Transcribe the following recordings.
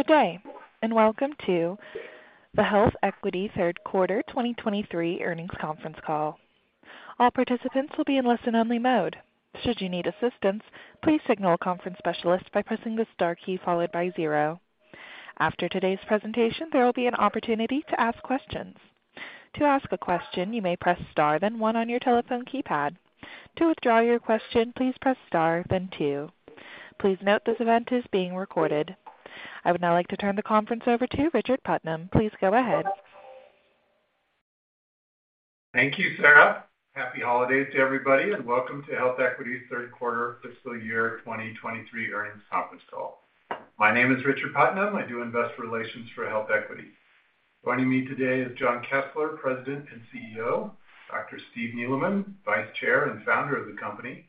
Good day, welcome to the HealthEquity third quarter 2023 Earnings Conference Call. All participants will be in listen-only mode. Should you need assistance, please signal a conference specialist by pressing the Star key followed by zero. After today's presentation, there will be an opportunity to ask questions. To ask a question, you may press Star then one on your telephone keypad. To withdraw your question, please press Star then two. Please note this event is being recorded. I would now like to turn the conference over to Richard Putnam. Please go ahead. Thank you, Sarah. Happy holidays to everybody and welcome to HealthEquity's third quarter fiscal year 2023 earnings conference call. My name is Richard Putnam, and I do investor relations for HealthEquity. Joining me today is Jon Kessler, President and CEO, Dr. Stephen Neeleman, Vice Chair and founder of the company,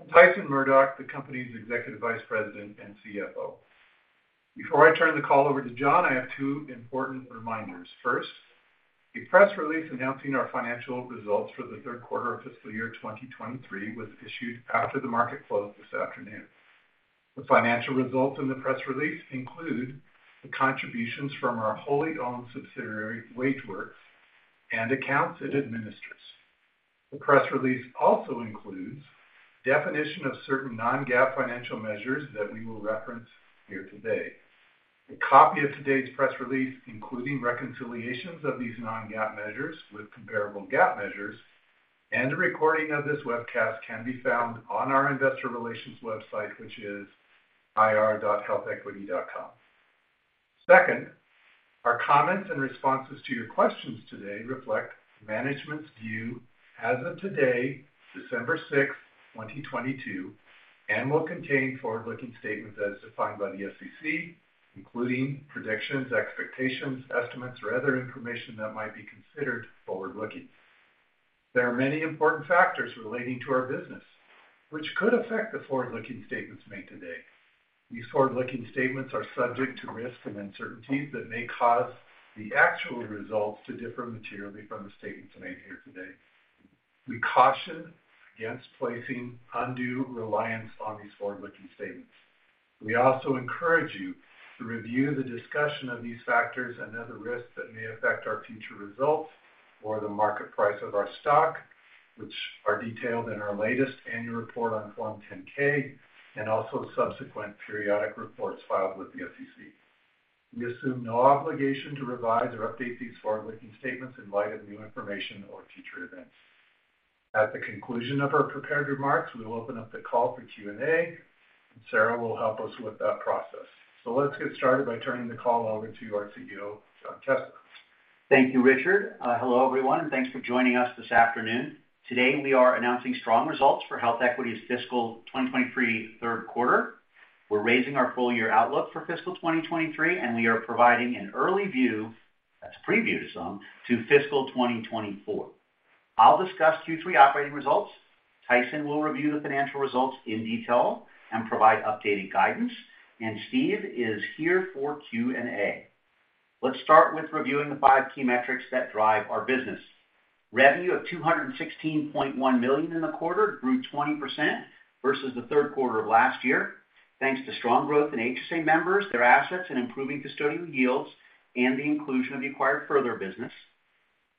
and Tyson Murdock, the company's Executive Vice President and CFO. Before I turn the call over to Jon, I have two important reminders. First, a press release announcing our financial results for the third quarter of fiscal year 2023 was issued after the market closed this afternoon. The financial results in the press release include the contributions from our wholly owned subsidiary, WageWorks, and accounts it administers. The press release also includes definition of certain Non-GAAP financial measures that we will reference here today. A copy of today's press release, including reconciliations of these Non-GAAP measures with comparable GAAP measures, and a recording of this webcast can be found on our investor relations website, which is ir.healthequity.com. Our comments and responses to your questions today reflect management's view as of today, December 6, 2022, and will contain forward-looking statements as defined by the SEC, including predictions, expectations, estimates, or other information that might be considered forward-looking. There are many important factors relating to our business which could affect the forward-looking statements made today. These forward-looking statements are subject to risks and uncertainties that may cause the actual results to differ materially from the statements made here today. We caution against placing undue reliance on these forward-looking statements. We also encourage you to review the discussion of these factors and other risks that may affect our future results or the market price of our stock, which are detailed in our latest annual report on Form 10-K and also subsequent periodic reports filed with the SEC. We assume no obligation to revise or update these forward-looking statements in light of new information or future events. At the conclusion of our prepared remarks, we will open up the call for Q&A, and Sarah will help us with that process. Let's get started by turning the call over to our CEO, Jon Kessler. Thank you, Richard. Hello, everyone, and thanks for joining us this afternoon. Today, we are announcing strong results for HealthEquity's fiscal 2023 third quarter. We're raising our full-year outlook for fiscal 2023, and we are providing an early view, that's a preview to some, to fiscal 2024. I'll discuss Q3 operating results. Tyson will review the financial results in detail and provide updated guidance, and Steve is here for Q&A. Let's start with reviewing the five key metrics that drive our business. Revenue of $216.1 million in the quarter grew 20% versus the third quarter of last year, thanks to strong growth in HSA members, their assets, and improving custodial yields, and the inclusion of the acquired Further business.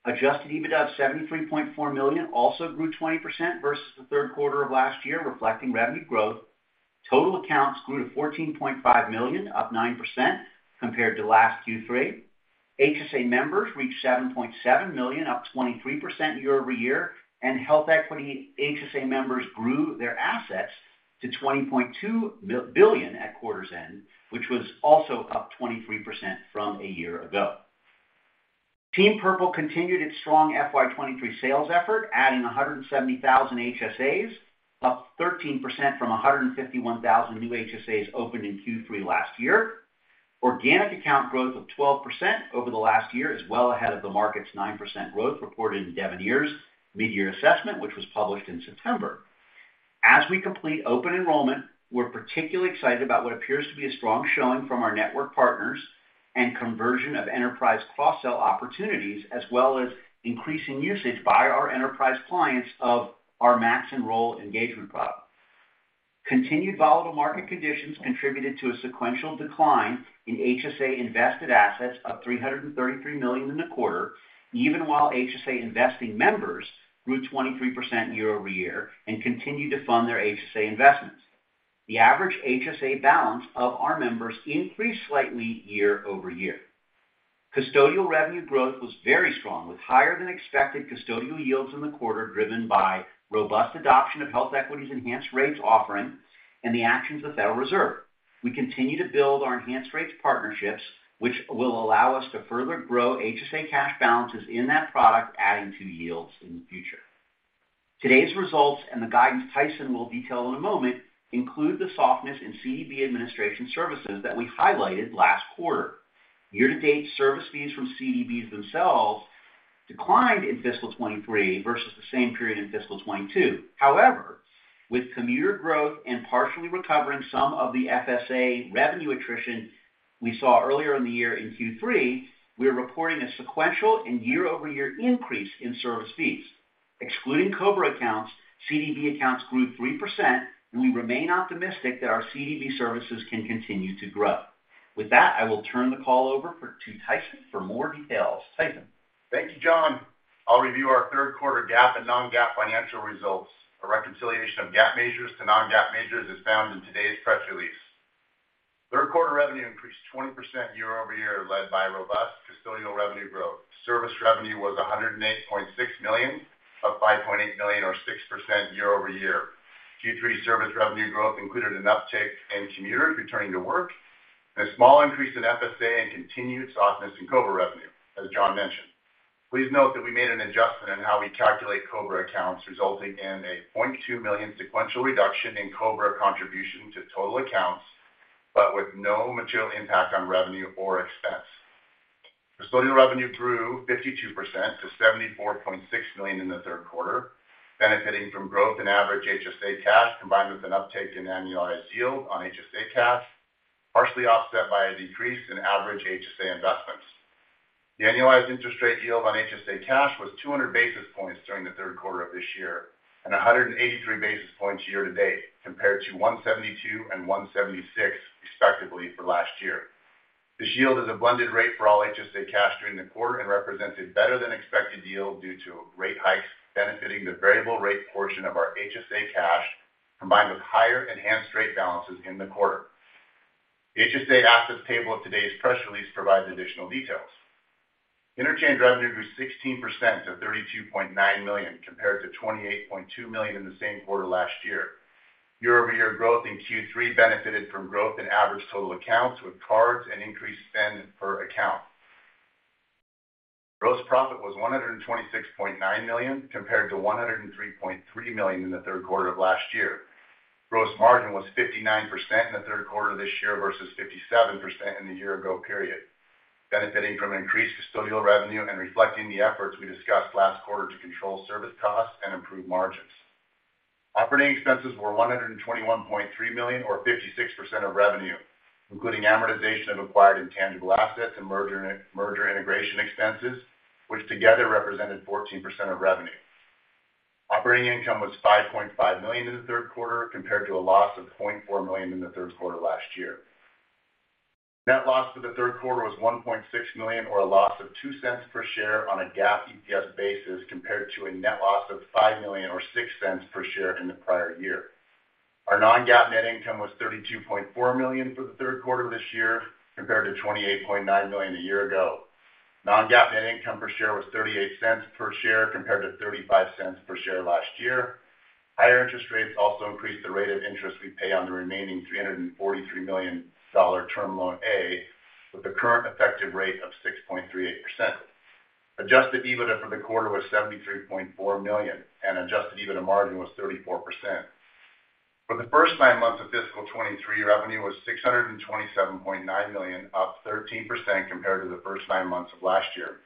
Adjusted EBITDA of $73.4 million also grew 20% versus the third quarter of last year, reflecting revenue growth. Total accounts grew to $14.5 million, up 9% compared to last Q3. HSA members reached 7.7 million, up 23% year-over-year. HealthEquity HSA members grew their assets to $20.2 billion at quarter's end, which was also up 23% from a year ago. Team Purple continued its strong FY 2023 sales effort, adding 170,000 HSAs, up 13% from 151,000 new HSAs opened in Q3 last year. Organic account growth of 12% over the last year is well ahead of the market's 9% growth reported in Devenir's mid-year assessment, which was published in September. As we complete open enrollment, we're particularly excited about what appears to be a strong showing from our network partners and conversion of enterprise cross-sell opportunities, as well as increasing usage by our enterprise clients of our MaxEnroll engagement product. Continued volatile market conditions contributed to a sequential decline in HSA invested assets of $333 million in the quarter, even while HSA investing members grew 23% year-over-year and continued to fund their HSA investments. The average HSA balance of our members increased slightly year-over-year. Custodial revenue growth was very strong, with higher-than-expected custodial yields in the quarter, driven by robust adoption of HealthEquity's Enhanced Rates offering and the actions of the Federal Reserve. We continue to build our Enhanced Rates partnerships, which will allow us to further grow HSA cash balances in that product, adding to yields in the future. Today's results and the guidance Tyson will detail in a moment include the softness in CDB administration services that we highlighted last quarter. Year-to-date service fees from CDBs themselves declined in fiscal 2023 versus the same period in fiscal 2022. With commuter growth and partially recovering some of the FSA revenue attrition we saw earlier in the year in Q3, we are reporting a sequential and year-over-year increase in service fees. Excluding COBRA accounts, CDB accounts grew 3%, and we remain optimistic that our CDB services can continue to grow. With that, I will turn the call over to Tyson for more details. Tyson? Thank you, Jon. I'll review our third quarter GAAP and Non-GAAP financial results. A reconciliation of GAAP measures to Non-GAAP measures is found in today's press release. Third quarter revenue increased 20% year-over-year, led by robust custodial revenue growth. Service revenue was $108.6 million, up $5.8 million or 6% year-over-year. Q3 service revenue growth included an uptick in commuters returning to work, a small increase in FSA and continued softness in COBRA revenue, as Jon mentioned. Please note that we made an adjustment in how we calculate COBRA accounts, resulting in a $0.2 million sequential reduction in COBRA contribution to total accounts, but with no material impact on revenue or expense. Custodial revenue grew 52% to $74.6 million in the third quarter, benefiting from growth in average HSA cash, combined with an uptick in annualized yield on HSA cash, partially offset by a decrease in average HSA investments. The annualized interest rate yield on HSA cash was 200 basis points during the third quarter of this year, and 183 basis points year-to-date, compared to 172 and 176 respectively for last year. This yield is a blended rate for all HSA cash during the quarter and represents a better than expected yield due to rate hikes benefiting the variable rate portion of our HSA cash, combined with higher Enhanced Rates balances in the quarter. The HSA assets table of today's press release provides additional details. Interchange revenue grew 16% to $32.9 million, compared to $28.2 million in the same quarter last year. Year-over-year growth in Q3 benefited from growth in average total accounts with cards and increased spend per account. Gross profit was $126.9 million, compared to $103.3 million in the third quarter of last year. Gross margin was 59% in the third quarter this year versus 57% in the year-ago period, benefiting from increased custodial revenue and reflecting the efforts we discussed last quarter to control service costs and improve margins. Operating expenses were $121.3 million or 56% of revenue, including amortization of acquired intangible assets and merger integration expenses, which together represented 14% of revenue. Operating income was $5.5 million in the third quarter, compared to a loss of $0.4 million in the third quarter last year. Net loss for the third quarter was $1.6 million or a loss of $0.02 per share on a GAAP EPS basis, compared to a net loss of $5 million or $0.06 per share in the prior year. Our Non-GAAP net income was $32.4 million for the third quarter this year, compared to $28.9 million a year ago. Non-GAAP net income per share was $0.38 per share, compared to $0.35 per share last year. Higher interest rates also increased the rate of interest we pay on the remaining $343 million Term Loan A, with a current effective rate of 6.38%. Adjusted EBITDA for the quarter was $73.4 million, adjusted EBITDA margin was 34%. For the first nine months of fiscal 2023, revenue was $627.9 million, up 13% compared to the first nine months of last year.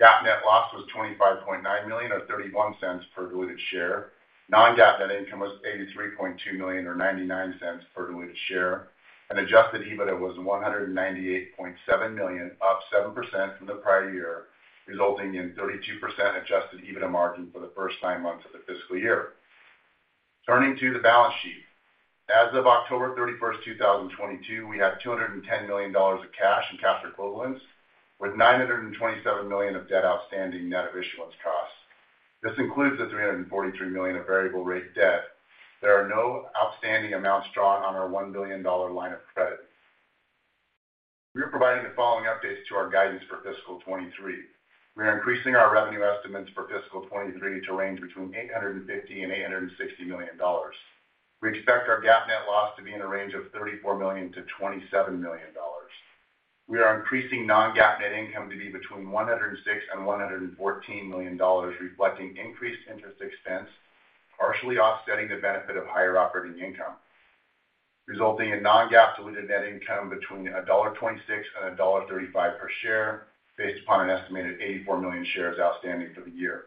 GAAP net loss was $25.9 million or $0.31 per diluted share. Non-GAAP net income was $83.2 million or $0.99 per diluted share. Adjusted EBITDA was $198.7 million, up 7% from the prior year, resulting in 32% adjusted EBITDA margin for the first nine months of the fiscal year. Turning to the balance sheet. As of October 31, 2022, we have $210 million of cash and cash equivalents, with $927 million of debt outstanding net of issuance costs. This includes the $343 million of variable rate debt. There are no outstanding amounts drawn on our $1 billion line of credit. We are providing the following updates to our guidance for fiscal 2023. We are increasing our revenue estimates for fiscal 2023 to range between $850 million-$860 million. We expect our GAAP net loss to be in a range of $34 million-$27 million. We are increasing Non-GAAP net income to be between $106 million and $114 million, reflecting increased interest expense, partially offsetting the benefit of higher operating income, resulting in Non-GAAP diluted net income between $1.26 and $1.35 per share based upon an estimated 84 million shares outstanding for the year.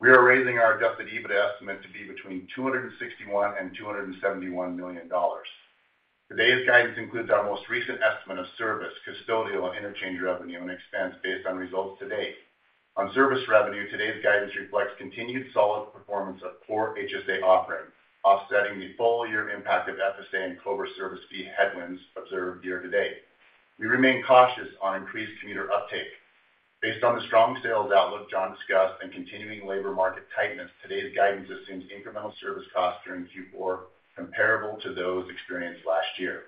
We are raising our adjusted EBITDA estimate to be between $261 million and $271 million. Today's guidance includes our most recent estimate of service, custodial, and interchange revenue and expense based on results to date. On service revenue, today's guidance reflects continued solid performance of core HSA offerings, offsetting the full year impact of FSA and COBRA service fee headwinds observed year-to-date. We remain cautious on increased commuter uptake. Based on the strong sales outlook Jon discussed and continuing labor market tightness, today's guidance assumes incremental service costs during Q4 comparable to those experienced last year.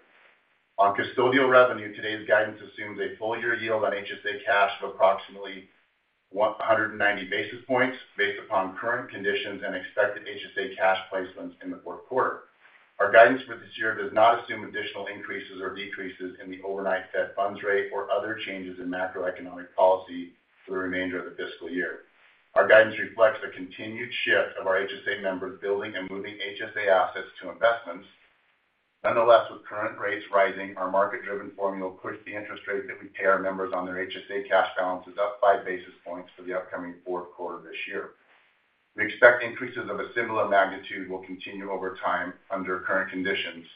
On custodial revenue, today's guidance assumes a full year yield on HSA cash of approximately 190 basis points based upon current conditions and expected HSA cash placements in the fourth quarter. Our guidance for this year does not assume additional increases or decreases in the overnight Fed funds rate or other changes in macroeconomic policy for the remainder of the fiscal year. Our guidance reflects the continued shift of our HSA members building and moving HSA assets to investments. Nonetheless, with current rates rising, our market-driven formula pushed the interest rate that we pay our members on their HSA cash balances up by basis points for the upcoming fourth quarter this year. We expect increases of a similar magnitude will continue over time under current conditions.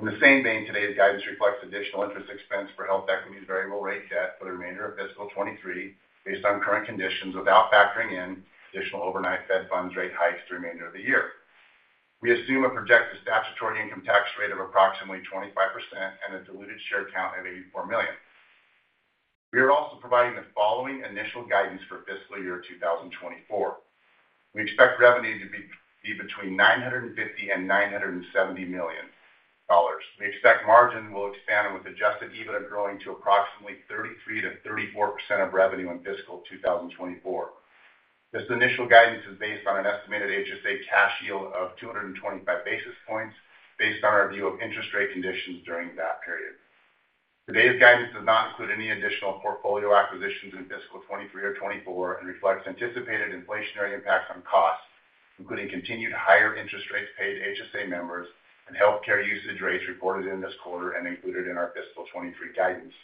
In the same vein, today's guidance reflects additional interest expense for HealthEquity's variable rate debt for the remainder of fiscal 2023 based on current conditions, without factoring in additional overnight Fed funds rate hikes through the remainder of the year. We assume a projected statutory income tax rate of approximately 25% and a diluted share count of $84 million. We are also providing the following initial guidance for fiscal year 2024. We expect revenue to be between $950 million and $970 million. We expect margin will expand, with adjusted EBITDA growing to approximately 33%-34% of revenue in fiscal 2024. This initial guidance is based on an estimated HSA cash yield of 225 basis points based on our view of interest rate conditions during that period. Today's guidance does not include any additional portfolio acquisitions in fiscal 2023 or 2024 and reflects anticipated inflationary impacts on costs, including continued higher interest rates paid to HSA members and healthcare usage rates reported in this quarter and included in our fiscal 2023 guidance.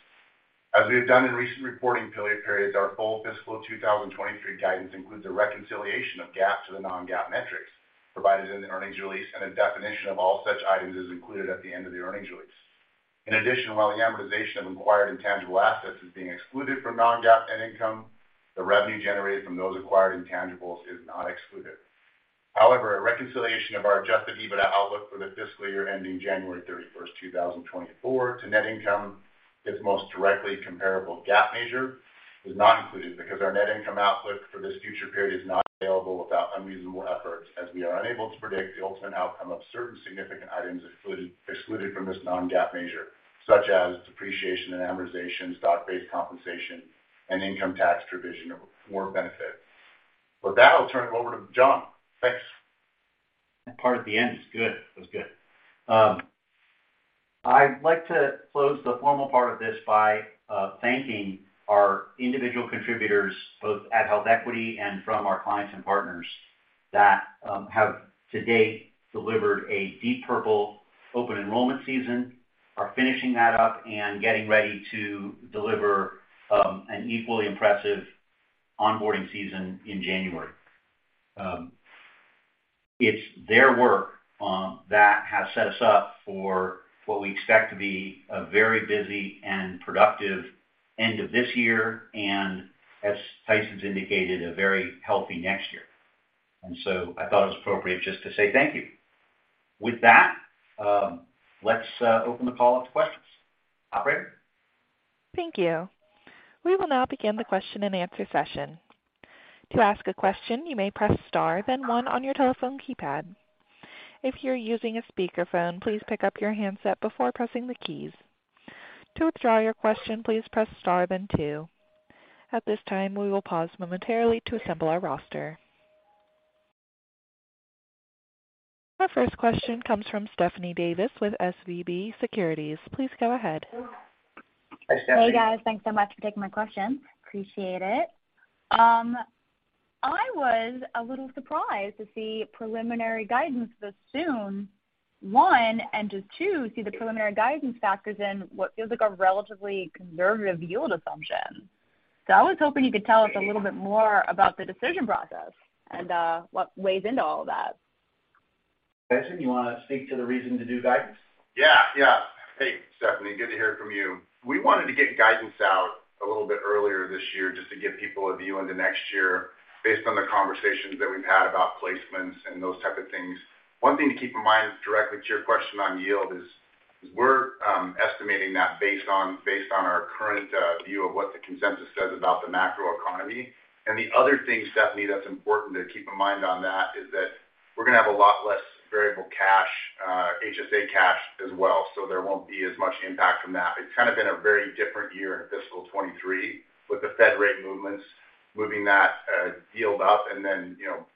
As we have done in recent reporting periods, our full fiscal 2023 guidance includes a reconciliation of GAAP to the Non-GAAP metrics provided in the earnings release, and a definition of all such items is included at the end of the earnings release. In addition, while the amortization of acquired intangible assets is being excluded from Non-GAAP net income, the revenue generated from those acquired intangibles is not excluded. However, a reconciliation of our adjusted EBITDA outlook for the fiscal year ending January 31, 2024 to net income, its most directly comparable GAAP measure, is not included because our net income outlook for this future period is not available without unreasonable efforts, as we are unable to predict the ultimate outcome of certain significant items excluded from this Non-GAAP measure, such as depreciation and amortization, stock-based compensation, and income tax provision or benefit. With that, I'll turn it over to Jon. Thanks. That part at the end is good. It was good. I'd like to close the formal part of this by thanking our individual contributors, both at HealthEquity and from our clients and partners that have to date delivered a DEEP Purple open enrollment season, are finishing that up, and getting ready to deliver an equally impressive onboarding season in January. It's their work that has set us up for what we expect to be a very busy and productive end of this year and, as Tyson's indicated, a very healthy next year. I thought it was appropriate just to say thank you. With that, let's open the call up to questions. Operator? Thank you. We will now begin the question-and-answer session. To ask a question, you may press star, then one on your telephone keypad. If you're using a speakerphone, please pick up your handset before pressing the keys. To withdraw your question, please press star then two. At this time, we will pause momentarily to assemble our roster. Our first question comes from Stephanie Davis with SVB Securities. Please go ahead. Hey, Stephanie. Hey, guys. Thanks so much for taking my questions. Appreciate it. I was a little surprised to see preliminary guidance this soon, 1, and just, 2, see the preliminary guidance factors in what feels like a relatively conservative yield assumption. I was hoping you could tell us a little bit more about the decision process and what weighs into all of that. Tyson, you wanna speak to the reason to do guidance? Yeah. Yeah. Hey, Stephanie, good to hear from you. We wanted to get guidance out a little bit earlier this year just to give people a view into next year based on the conversations that we've had about placements and those type of things. One thing to keep in mind, directly to your question on yield, is we're estimating that based on our current view of what the consensus says about the macroeconomy. The other thing, Stephanie, that's important to keep in mind on that is that we're gonna have a lot less variable cash, HSA cash as well, so there won't be as much impact from that. It's kind of been a very different year in fiscal 2023 with the Fed rate movements moving that yield up and then, you know,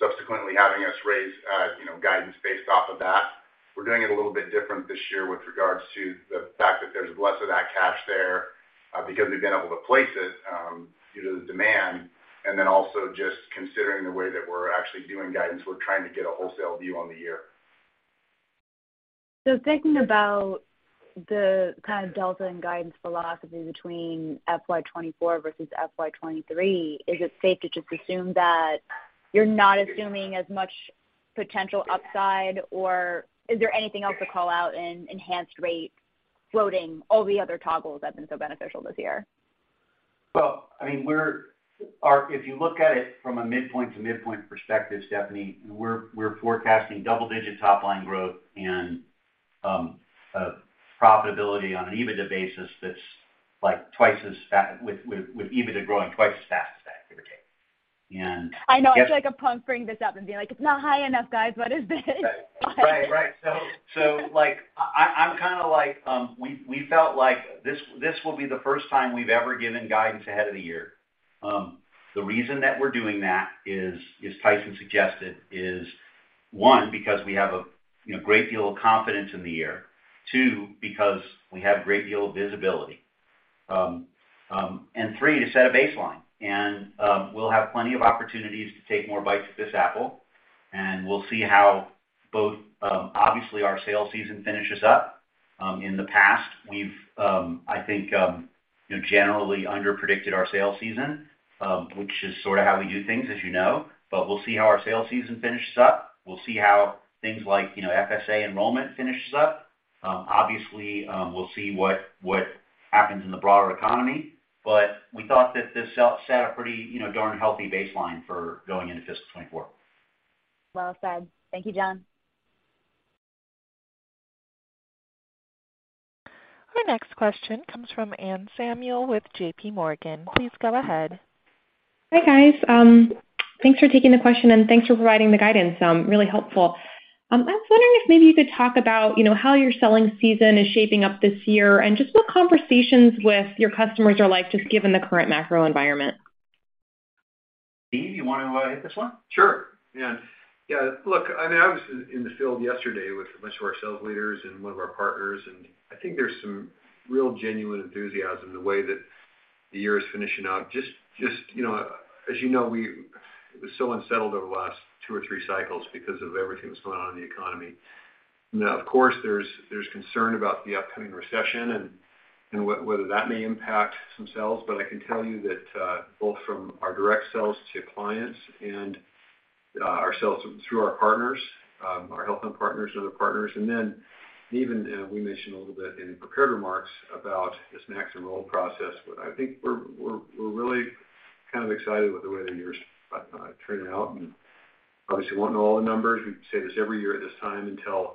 subsequently having us raise, you know, guidance based off of that. We're doing it a little bit different this year with regards to the fact that there's less of that cash there because we've been able to place it due to the demand, and then also just considering the way that we're actually doing guidance, we're trying to get a wholesale view on the year. Thinking about the kind of delta in guidance philosophy between FY 2024 versus FY 2023, is it safe to just assume that you're not assuming as much potential upside, or is there anything else to call out in Enhanced Rates floating all the other toggles that have been so beneficial this year? Well, I mean, If you look at it from a midpoint-to-midpoint perspective, Stephanie, we're forecasting double-digit top-line growth and profitability on an EBITDA basis that's like twice as fast with EBITDA growing twice as fast as that, if it takes. I know. I feel like a punk bringing this up and being like, "It's not high enough, guys. What is this? Right. Right. We felt like this will be the first time we've ever given guidance ahead of the year. The reason that we're doing that is, as Tyson suggested, is, one, because we have a, you know, great deal of confidence in the year. two, because we have a great deal of visibility. three, to set a baseline. We'll have plenty of opportunities to take more bites at this apple, and we'll see how both, obviously our sales season finishes up. In the past, we've, I think, you know, generally underpredicted our sales season, which is sort of how we do things, as you know. We'll see how our sales season finishes up. We'll see how things like, you know, FSA enrollment finishes up. Obviously, we'll see what happens in the broader economy. We thought that this set a pretty, you know, darn healthy baseline for going into fiscal 24. Well said. Thank you, John. Our next question comes from Anne Samuel with J.P. Morgan. Please go ahead. Hi, guys. thanks for taking the question, and thanks for providing the guidance. really helpful. I was wondering if maybe you could talk about, you know, how your selling season is shaping up this year and just what conversations with your customers are like just given the current macro environment? Steve, you wanna, hit this one? Sure. Yeah. Yeah, look, I mean, I was in the field yesterday with a bunch of our sales leaders and one of our partners, and I think there's some real genuine enthusiasm the way that the year is finishing out. Just, as you know, we it was so unsettled over the last two or three cycles because of everything that was going on in the economy. Now, of course, there's concern about the upcoming recession and whether that may impact some sales. I can tell you that both from our direct sales to clients and our sales through our partners, our health plan partners and other partners, and then even we mentioned a little bit in the prepared remarks about this MaxEnroll process. I think we're really kind of excited with the way the year's turning out. Obviously won't know all the numbers. We say this every year at this time until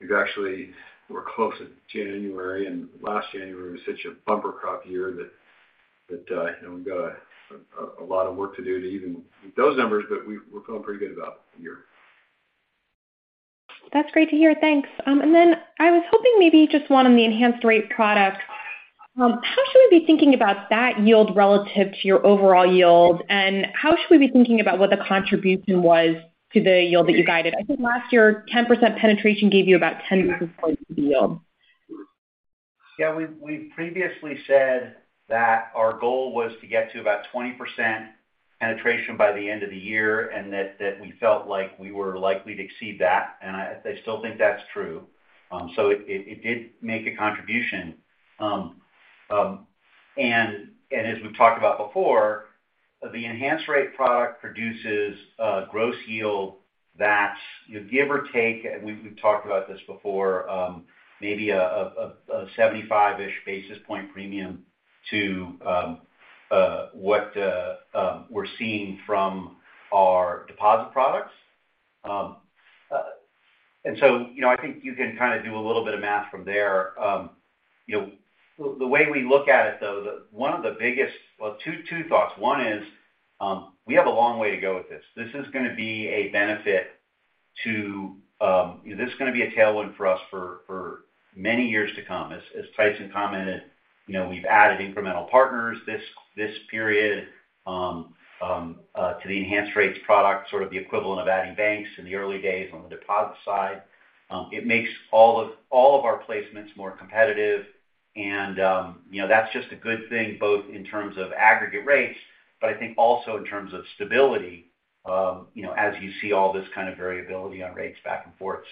we've actually we're close to January, and last January was such a bumper crop year that, you know, we've got a lot of work to do to even beat those numbers. We're feeling pretty good about the year. That's great to hear. Thanks. I was hoping maybe just one on the Enhanced Rates product. How should we be thinking about that yield relative to your overall yield, how should we be thinking about what the contribution was to the yield that you guided? I think last year, 10% penetration gave you about 10 basis points of yield. Yeah. We've previously said that our goal was to get to about 20% penetration by the end of the year, and that we felt like we were likely to exceed that, and I still think that's true. It did make a contribution. As we've talked about before, the Enhanced Rates product produces a gross yield that, you know, give or take, and we've talked about this before, maybe a 75-ish basis point premium to what we're seeing from our deposit products. You know, I think you can kind of do a little bit of math from there. You know, the way we look at it, though, one of the biggest... Well, two thoughts. One is, we have a long way to go with this. This is gonna be a tailwind for us for many years to come. As Tyson commented, you know, we've added incremental partners this period to the Enhanced Rates product, sort of the equivalent of adding banks in the early days on the deposit side. It makes all of our placements more competitive and, you know, that's just a good thing both in terms of aggregate rates, but I think also in terms of stability, you know, as you see all this kind of variability on rates back and forth.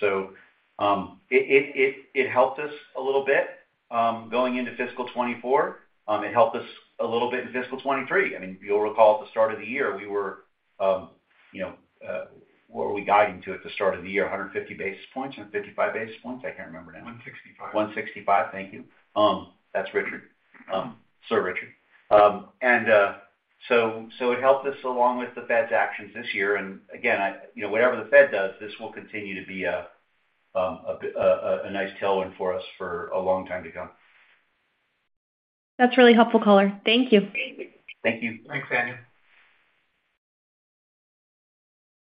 it helped us a little bit going into fiscal 2024. It helped us a little bit in fiscal 2023. I mean, you'll recall at the start of the year, we were, you know, what were we guiding to at the start of the year? 150 basis points, 155 basis points? I can't remember now. $165. 165. Thank you. That's Richard. Sir Richard. So it helped us along with the Fed's actions this year. You know, whatever the Fed does, this will continue to be a nice tailwind for us for a long time to come. That's really helpful color. Thank you. Thank you. Thanks, Anne.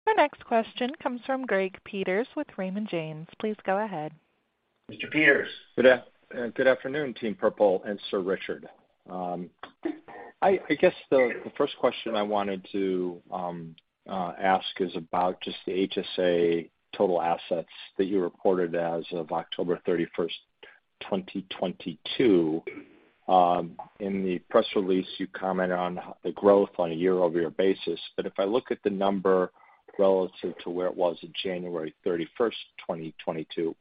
Our next question comes from Greg Peters with Raymond James. Please go ahead. Mr. Peters. Good afternoon, Team Purple and Sir Richard. I guess the first question I wanted to ask is about just the HSA total assets that you reported as of October 31, 2022. In the press release, you commented on the growth on a year-over-year basis. If I look at the number relative to where it was on January 31, 2022,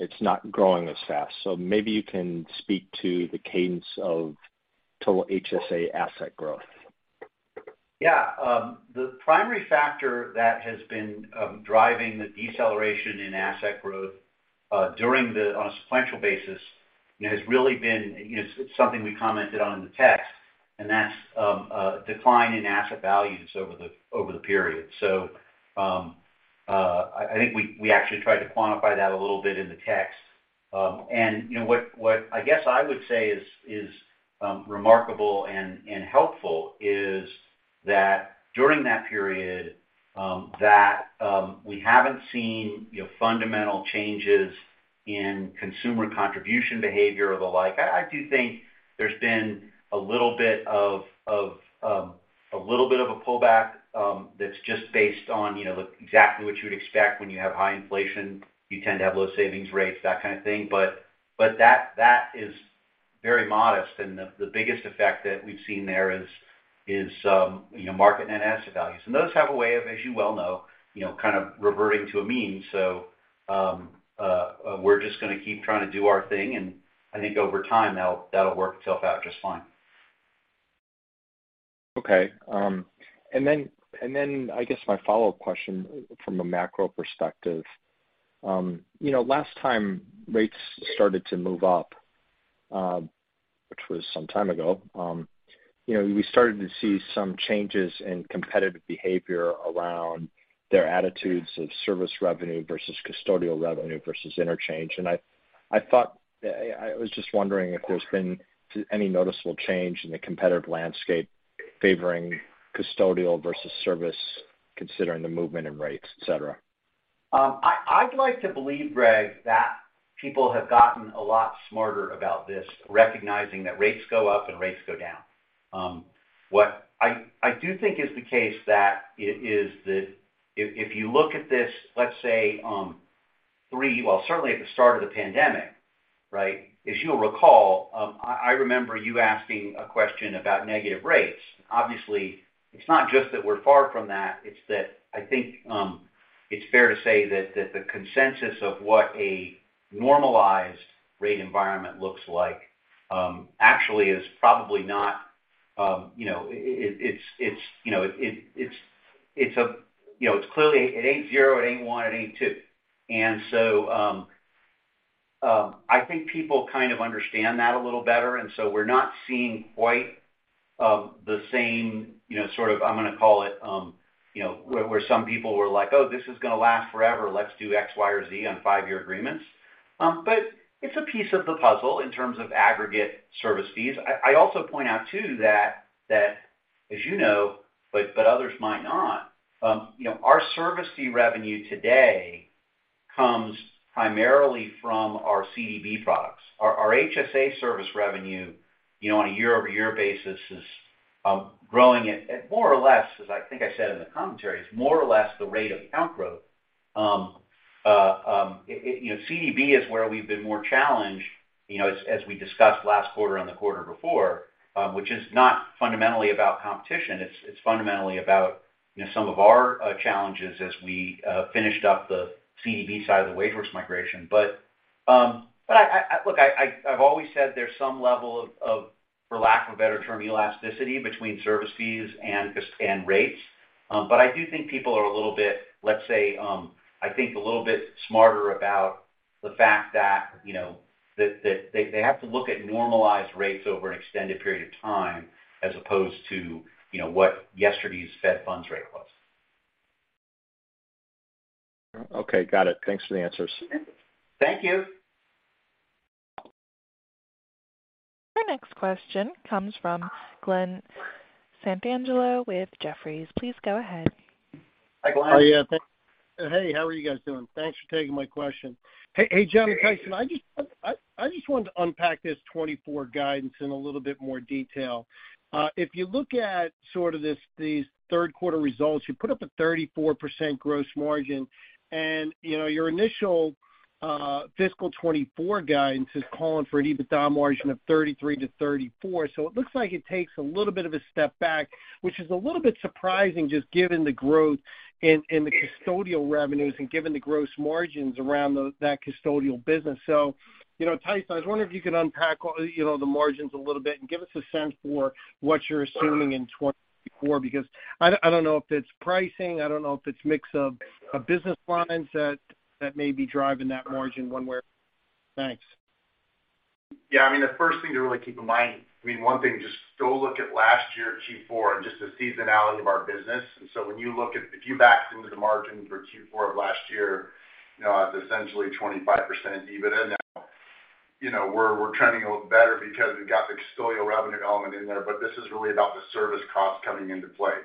it's not growing as fast. Maybe you can speak to the cadence of total HSA asset growth. Yeah. The primary factor that has been driving the deceleration in asset growth on a sequential basis, you know, has really been, you know, something we commented on in the text, and that's a decline in asset values over the period. I think we actually tried to quantify that a little bit in the text. You know, what I guess I would say is remarkable and helpful is that during that period, that we haven't seen, you know, fundamental changes in consumer contribution behavior or the like. I do think there's been a little bit of a pullback, that's just based on, you know, exactly what you would expect when you have high inflation. You tend to have low savings rates, that kind of thing. That is very modest. The biggest effect that we've seen there is, you know, market net asset values. Those have a way of, as you well know, you know, kind of reverting to a mean. We're just gonna keep trying to do our thing, and I think over time, that'll work itself out just fine. Okay. Then I guess my follow-up question from a macro perspective. You know, last time rates started to move up, which was some time ago, you know, we started to see some changes in competitive behavior around their attitudes of service revenue versus custodial revenue versus interchange. I was just wondering if there's been any noticeable change in the competitive landscape favoring custodial versus service considering the movement in rates, et cetera. I'd like to believe, Greg, that people have gotten a lot smarter about this, recognizing that rates go up and rates go down. What I do think is the case that it is that if you look at this, let's say, three... Well, certainly at the start of the pandemic, right? As you'll recall, I remember you asking a question about negative rates. Obviously, it's not just that we're far from that, it's that I think it's fair to say that the consensus of what a normalized rate environment looks like actually is probably not, you know, it's, you know, it's a, you know, it's clearly it ain't zero, it ain't one, it ain't two. I think people kind of understand that a little better, and so we're not seeing quite the same, you know, sort of, I'm gonna call it, you know, where some people were like, "Oh, this is gonna last forever. Let's do X, Y, or Z on five-year agreements." It's a piece of the puzzle in terms of aggregate service fees. I also point out too that, as you know, but others might not, you know, our service fee revenue today comes primarily from our CDB products. Our HSA service revenue, you know, on a year-over-year basis is growing at more or less, as I think I said in the commentary, it's more or less the rate of account growth. You know, CDB is where we've been more challenged, you know, as we discussed last quarter and the quarter before, which is not fundamentally about competition. It's fundamentally about, you know, some of our challenges as we finished up the CDB side of the WageWorks migration. Look, I've always said there's some level of, for lack of a better term, elasticity between service fees and rates. But I do think people are a little bit, let's say, I think a little bit smarter about the fact that, you know, that they have to look at normalized rates over an extended period of time as opposed to, you know, what yesterday's Fed funds rate was. Okay. Got it. Thanks for the answers. Thank you. Our next question comes from Glen Santangelo with Jefferies. Please go ahead. Hi, Glen. Oh, yeah. Hey, how are you guys doing? Thanks for taking my question. Hey, hey, Jon and Tyson. I just wanted to unpack this 2024 guidance in a little bit more detail. If you look at these third quarter results, you put up a 34% gross margin and, you know, your initial fiscal 2024 guidance is calling for an EBITDA margin of 33%-34%. It looks like it takes a little bit of a step back, which is a little bit surprising just given the growth in the custodial revenues and given the gross margins around that custodial business. You know, Tyson, I was wondering if you could unpack, you know, the margins a little bit and give us a sense for what you're assuming in 2024, because I don't know if it's pricing. I don't know if it's mix of business lines that may be driving that margin one way or another. Thanks. Yeah. I mean, the first thing to really keep in mind, I mean, one thing, just go look at last year Q4 and just the seasonality of our business. When you look at if you backed into the margin for Q4 of last year, you know, as essentially 25% EBIT in there, you know, we're trending a little better because we've got the custodial revenue element in there, but this is really about the service cost coming into play.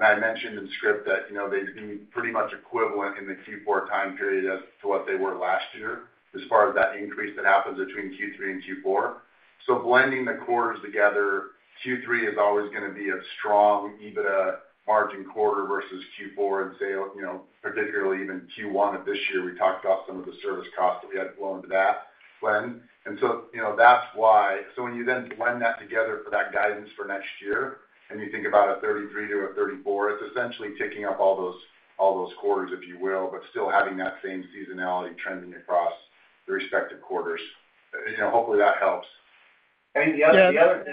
I mentioned in script that, you know, they've been pretty much equivalent in the Q4 time period as to what they were last year as far as that increase that happens between Q3 and Q4. Blending the quarters together, Q3 is always gonna be a strong EBITDA margin quarter versus Q4 and say, you know, particularly even Q1 of this year, we talked about some of the service costs that we had to flow into that blend. You know, that's why. When you then blend that together for that guidance for next year, and you think about a 33%-34%, it's essentially taking up all those quarters, if you will, but still having that same seasonality trending across the respective quarters. You know, hopefully that helps. The other.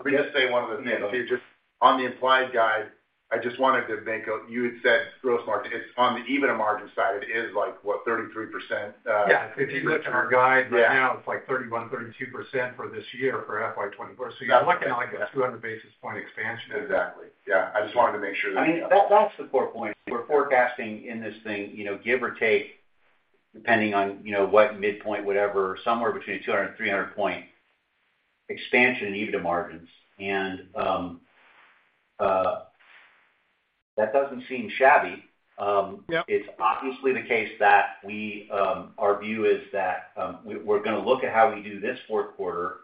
Let me just say one other thing, too. Just on the implied guide, I just wanted to. You had said gross margin. It's on the EBITDA margin side. It is like, what? 33% Yeah. If you look at our guide right now, it's like 31%, 32% for this year for FY 2024. You're looking at, like, a 200 basis point expansion. Exactly. Yeah. I just wanted to make sure. I mean, that's the core point. We're forecasting in this thing, you know, give or take depending on, you know, what midpoint, whatever, somewhere between 200 and 300 point expansion in EBITDA margins. That doesn't seem shabby. Yeah. It's obviously the case that we, our view is that, we're gonna look at how we do this fourth quarter,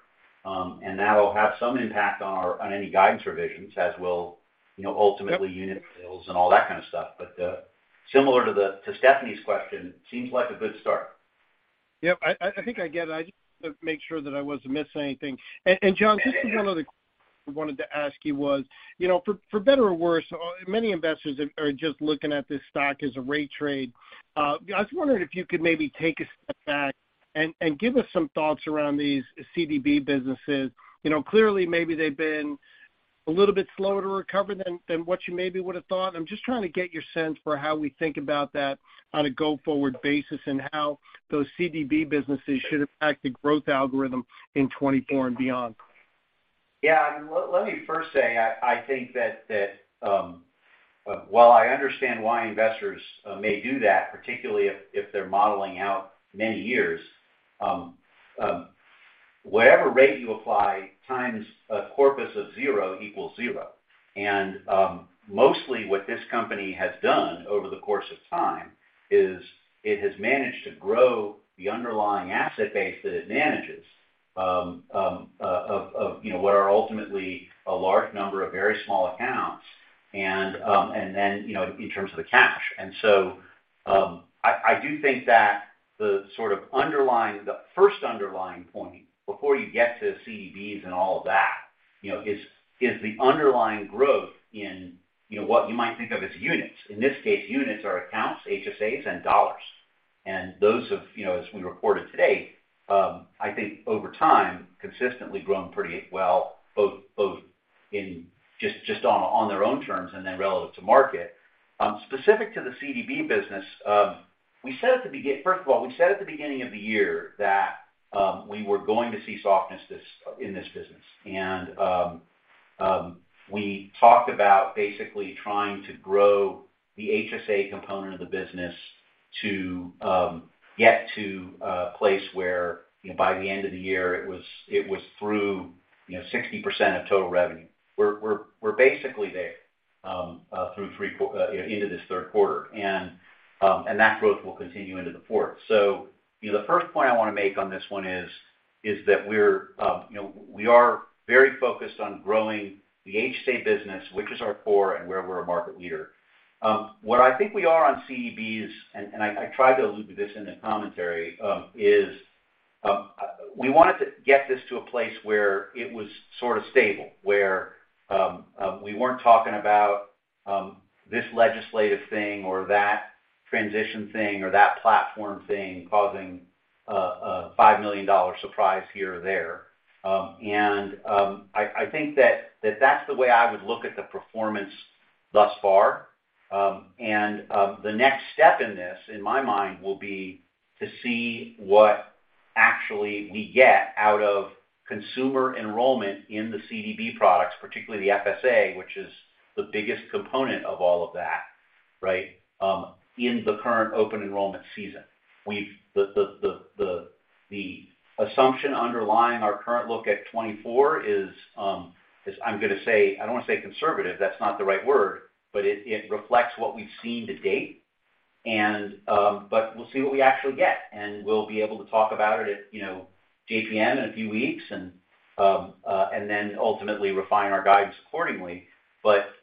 and that'll have some impact on any guidance revisions as will, you know, ultimately unit sales and all that kind of stuff. Similar to Stephanie's question, seems like a good start. Yep. I think I get it. I just wanted to make sure that I wasn't missing anything. Jon, this is one of the I wanted to ask you was, you know, for better or worse, many investors are just looking at this stock as a rate trade. I was wondering if you could maybe take a step back and give us some thoughts around these CDB businesses. You know, clearly, maybe they've been a little bit slower to recover than what you maybe would've thought. I'm just trying to get your sense for how we think about that on a go-forward basis and how those CDB businesses should affect the growth algorithm in 2024 and beyond. Yeah. Let me first say, I think that while I understand why investors may do that, particularly if they're modeling out many years, whatever rate you apply times a corpus of zero equals zero. Mostly what this company has done over the course of time is it has managed to grow the underlying asset base that it manages, of, you know, what are ultimately a large number of very small accounts and then, you know, in terms of the cash. I do think that the sort of the first underlying point before you get to CDBs and all of that, you know, is the underlying growth in, you know, what you might think of as units. In this case, units are accounts, HSAs, and dollars. Those have, you know, as we reported today, I think over time, consistently grown pretty well, both in just on their own terms and then relevant to market. Specific to the CDB business, First of all, we said at the beginning of the year that we were going to see softness in this business. We talked about basically trying to grow the HSA component of the business to get to a place where, you know, by the end of the year it was through, you know, 60% of total revenue. We're basically there through three, you know, into this third quarter. That growth will continue into the fourth. you know, the first point I want to make on this one is that we're, you know, we are very focused on growing the HSA business, which is our core and where we're a market leader. Where I think we are on CEBs, and I tried to allude to this in the commentary, is we wanted to get this to a place where it was sort of stable, where we weren't talking about this legislative thing or that transition thing or that platform thing causing a $5 million surprise here or there. And I think that that's the way I would look at the performance thus far. The next step in this, in my mind, will be to see what actually we get out of consumer enrollment in the CDB products, particularly the FSA, which is the biggest component of all of that, right? In the current open enrollment season. The assumption underlying our current look at 2024 is I'm gonna say... I don't want to say conservative, that's not the right word, but it reflects what we've seen to date. We'll see what we actually get, and we'll be able to talk about it at, you know, JPM in a few weeks and then ultimately refine our guidance accordingly.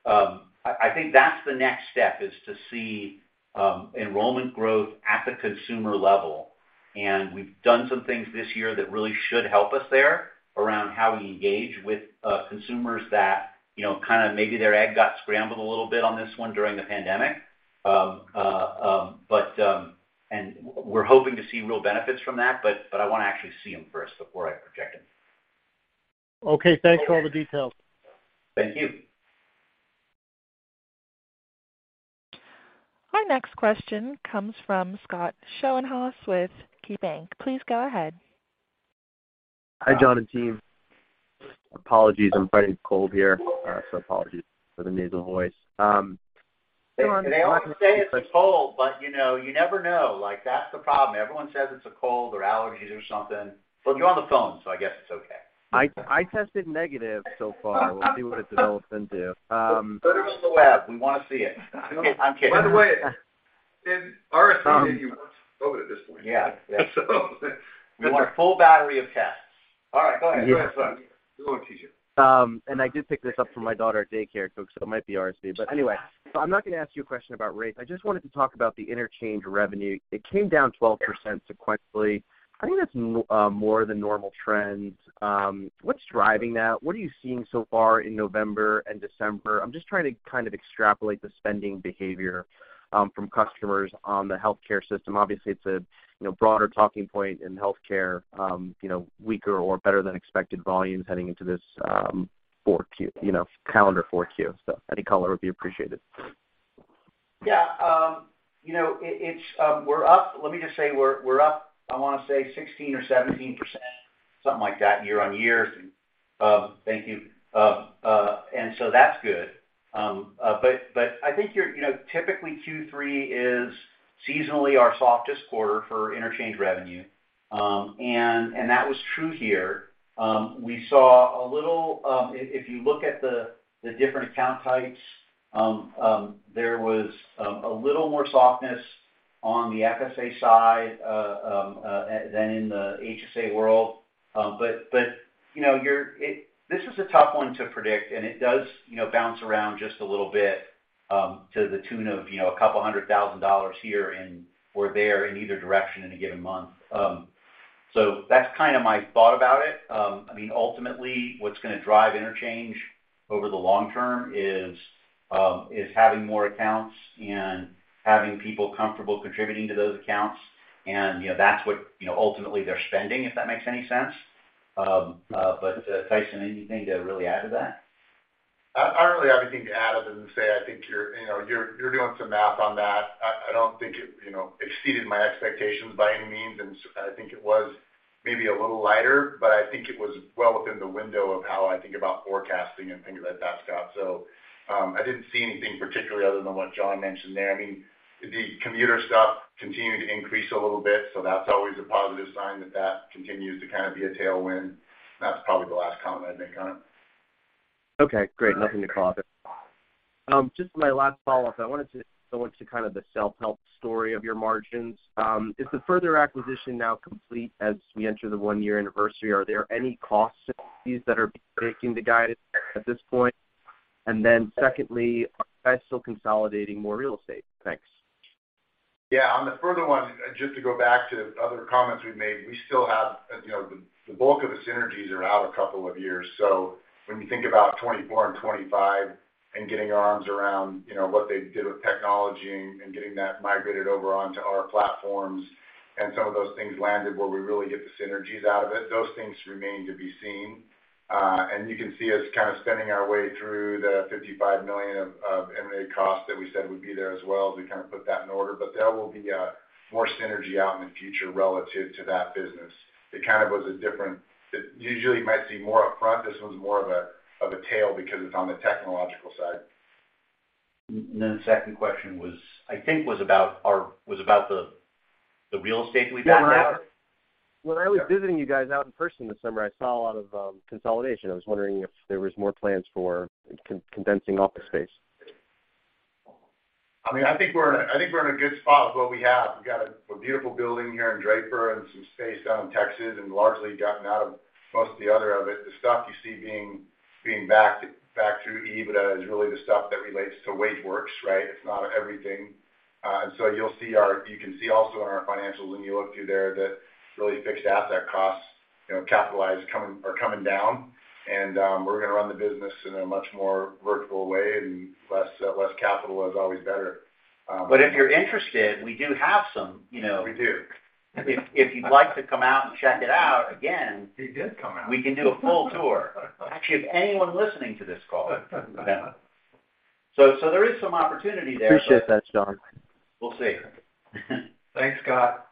I think that's the next step, is to see enrollment growth at the consumer level. We've done some things this year that really should help us there around how we engage with, consumers that, you know, kind of maybe their egg got scrambled a little bit on this one during the pandemic. We're hoping to see real benefits from that, but I wanna actually see them first before I project them. Okay. Thanks for all the details. Thank you. Our next question comes from Scott Schoenhaus with KeyBank. Please go ahead. Hi, Jon and team. Apologies, I'm fighting a cold here. Apologies for the nasal voice. They all say it's a cold, but, you know, you never know. Like, that's the problem. Everyone says it's a cold or allergies or something. You're on the phone, so I guess it's okay. I tested negative so far. We'll see what it develops into. Put it on the web. We want to see it. I'm kidding. By the way, did RSV give you worse COVID at this point? Yeah. Yeah. So We want a full battery of tests. All right. Go ahead. Go ahead, Scott. Go on, TJ. I did pick this up from my daughter at daycare, so it might be RSV. Anyway, I'm not gonna ask you a question about rates. I just wanted to talk about the interchange revenue. It came down 12% sequentially. I think that's more than normal trends. What's driving that? What are you seeing so far in November and December? I'm just trying to kind of extrapolate the spending behavior from customers on the healthcare system. Obviously, it's a, you know, broader talking point in healthcare, you know, weaker or better than expected volumes heading into this, 4Q, you know, calendar 4Q. Any color would be appreciated. Yeah. You know. We're up. Let me just say we're up, I wanna say 16% or 17%, something like that year-over-year. Thank you. That's good. I think you're, you know, typically Q3 is seasonally our softest quarter for interchange revenue. That was true here. We saw a little. If you look at the different account types, there was a little more softness on the FSA side than in the HSA world. You know, this is a tough one to predict, and it does, you know, bounce around just a little bit, to the tune of, you know, a couple hundred thousand dollars here and or there in either direction in a given month. That's kinda my thought about it. I mean, ultimately, what's gonna drive interchange over the long-term is having more accounts and having people comfortable contributing to those accounts. You know, that's what, you know, ultimately they're spending, if that makes any sense. Tyson, anything to really add to that? I don't really have anything to add other than to say I think you're, you know, you're doing some math on that. I don't think it, you know, exceeded my expectations by any means, and I think it was maybe a little lighter, but I think it was well within the window of how I think about forecasting and thinking about that stuff. I didn't see anything particularly other than what Jon mentioned there. I mean, the commuter stuff continued to increase a little bit, so that's always a positive sign that that continues to kind of be a tailwind. That's probably the last comment I'd make on it. Okay. Great. Nothing to follow up there. just my last follow-up, I want to kind of the self-help story of your margins. Is the Further acquisition now complete as we enter the one-year anniversary? Are there any cost synergies that are breaking the guidance at this point? Secondly, are you guys still consolidating more real estate? Thanks. On the Further one, just to go back to other comments we've made, we still have, as you know, the bulk of the synergies are out a couple of years. When you think about 2024 and 2025 and getting our arms around, you know, what they did with technology and getting that migrated over onto our platforms, and some of those things landed where we really get the synergies out of it, those things remain to be seen. You can see us kind of spending our way through the $55 million of M&A costs that we said would be there as well as we kind of put that in order. There will be more synergy out in the future relative to that business. It kind of was a different... It usually you might see more upfront. This one's more of a, of a tail because it's on the technological side. The second question was, I think, was about the real estate we backed out. Yeah. When I was visiting you guys out in person this summer, I saw a lot of consolidation. I was wondering if there was more plans for condensing office space. I mean, I think we're in a good spot with what we have. We've got a beautiful building here in Draper and some space down in Texas and largely gotten out of most of the other of it. The stuff you see being backed back through EBITDA is really the stuff that relates to WageWorks, right? It's not everything. So you can see also in our financials when you look through there that really fixed asset costs, you know, capitalized are coming down. We're gonna run the business in a much more virtual way and less capital is always better. If you're interested, we do have some, you know- We do. If you'd like to come out and check it out, again. He did come out. We can do a full tour. Actually, if anyone listening to this call. There is some opportunity there. Appreciate that, Jon. We'll see. Thanks, Scott.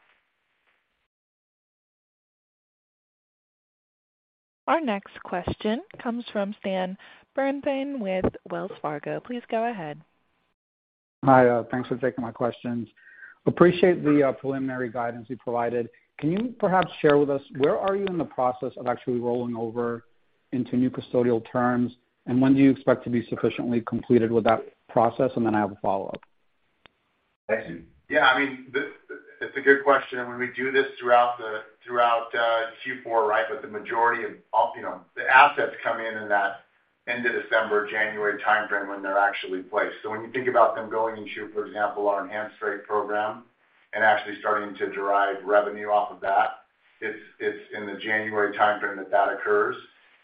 Our next question comes from Stan Berenshteyn with Wells Fargo. Please go ahead. Hi. Thanks for taking my questions. Appreciate the preliminary guidance you provided. Can you perhaps share with us where are you in the process of actually rolling over into new custodial terms, and when do you expect to be sufficiently completed with that process? I have a follow-up. Yeah. I mean, it's a good question. When we do this throughout the, throughout Q4, right? The majority of, you know, the assets come in in that end of December, January timeframe when they're actually placed. When you think about them going into, for example, our Enhanced Rates program and actually starting to derive revenue off of that, it's in the January timeframe that that occurs.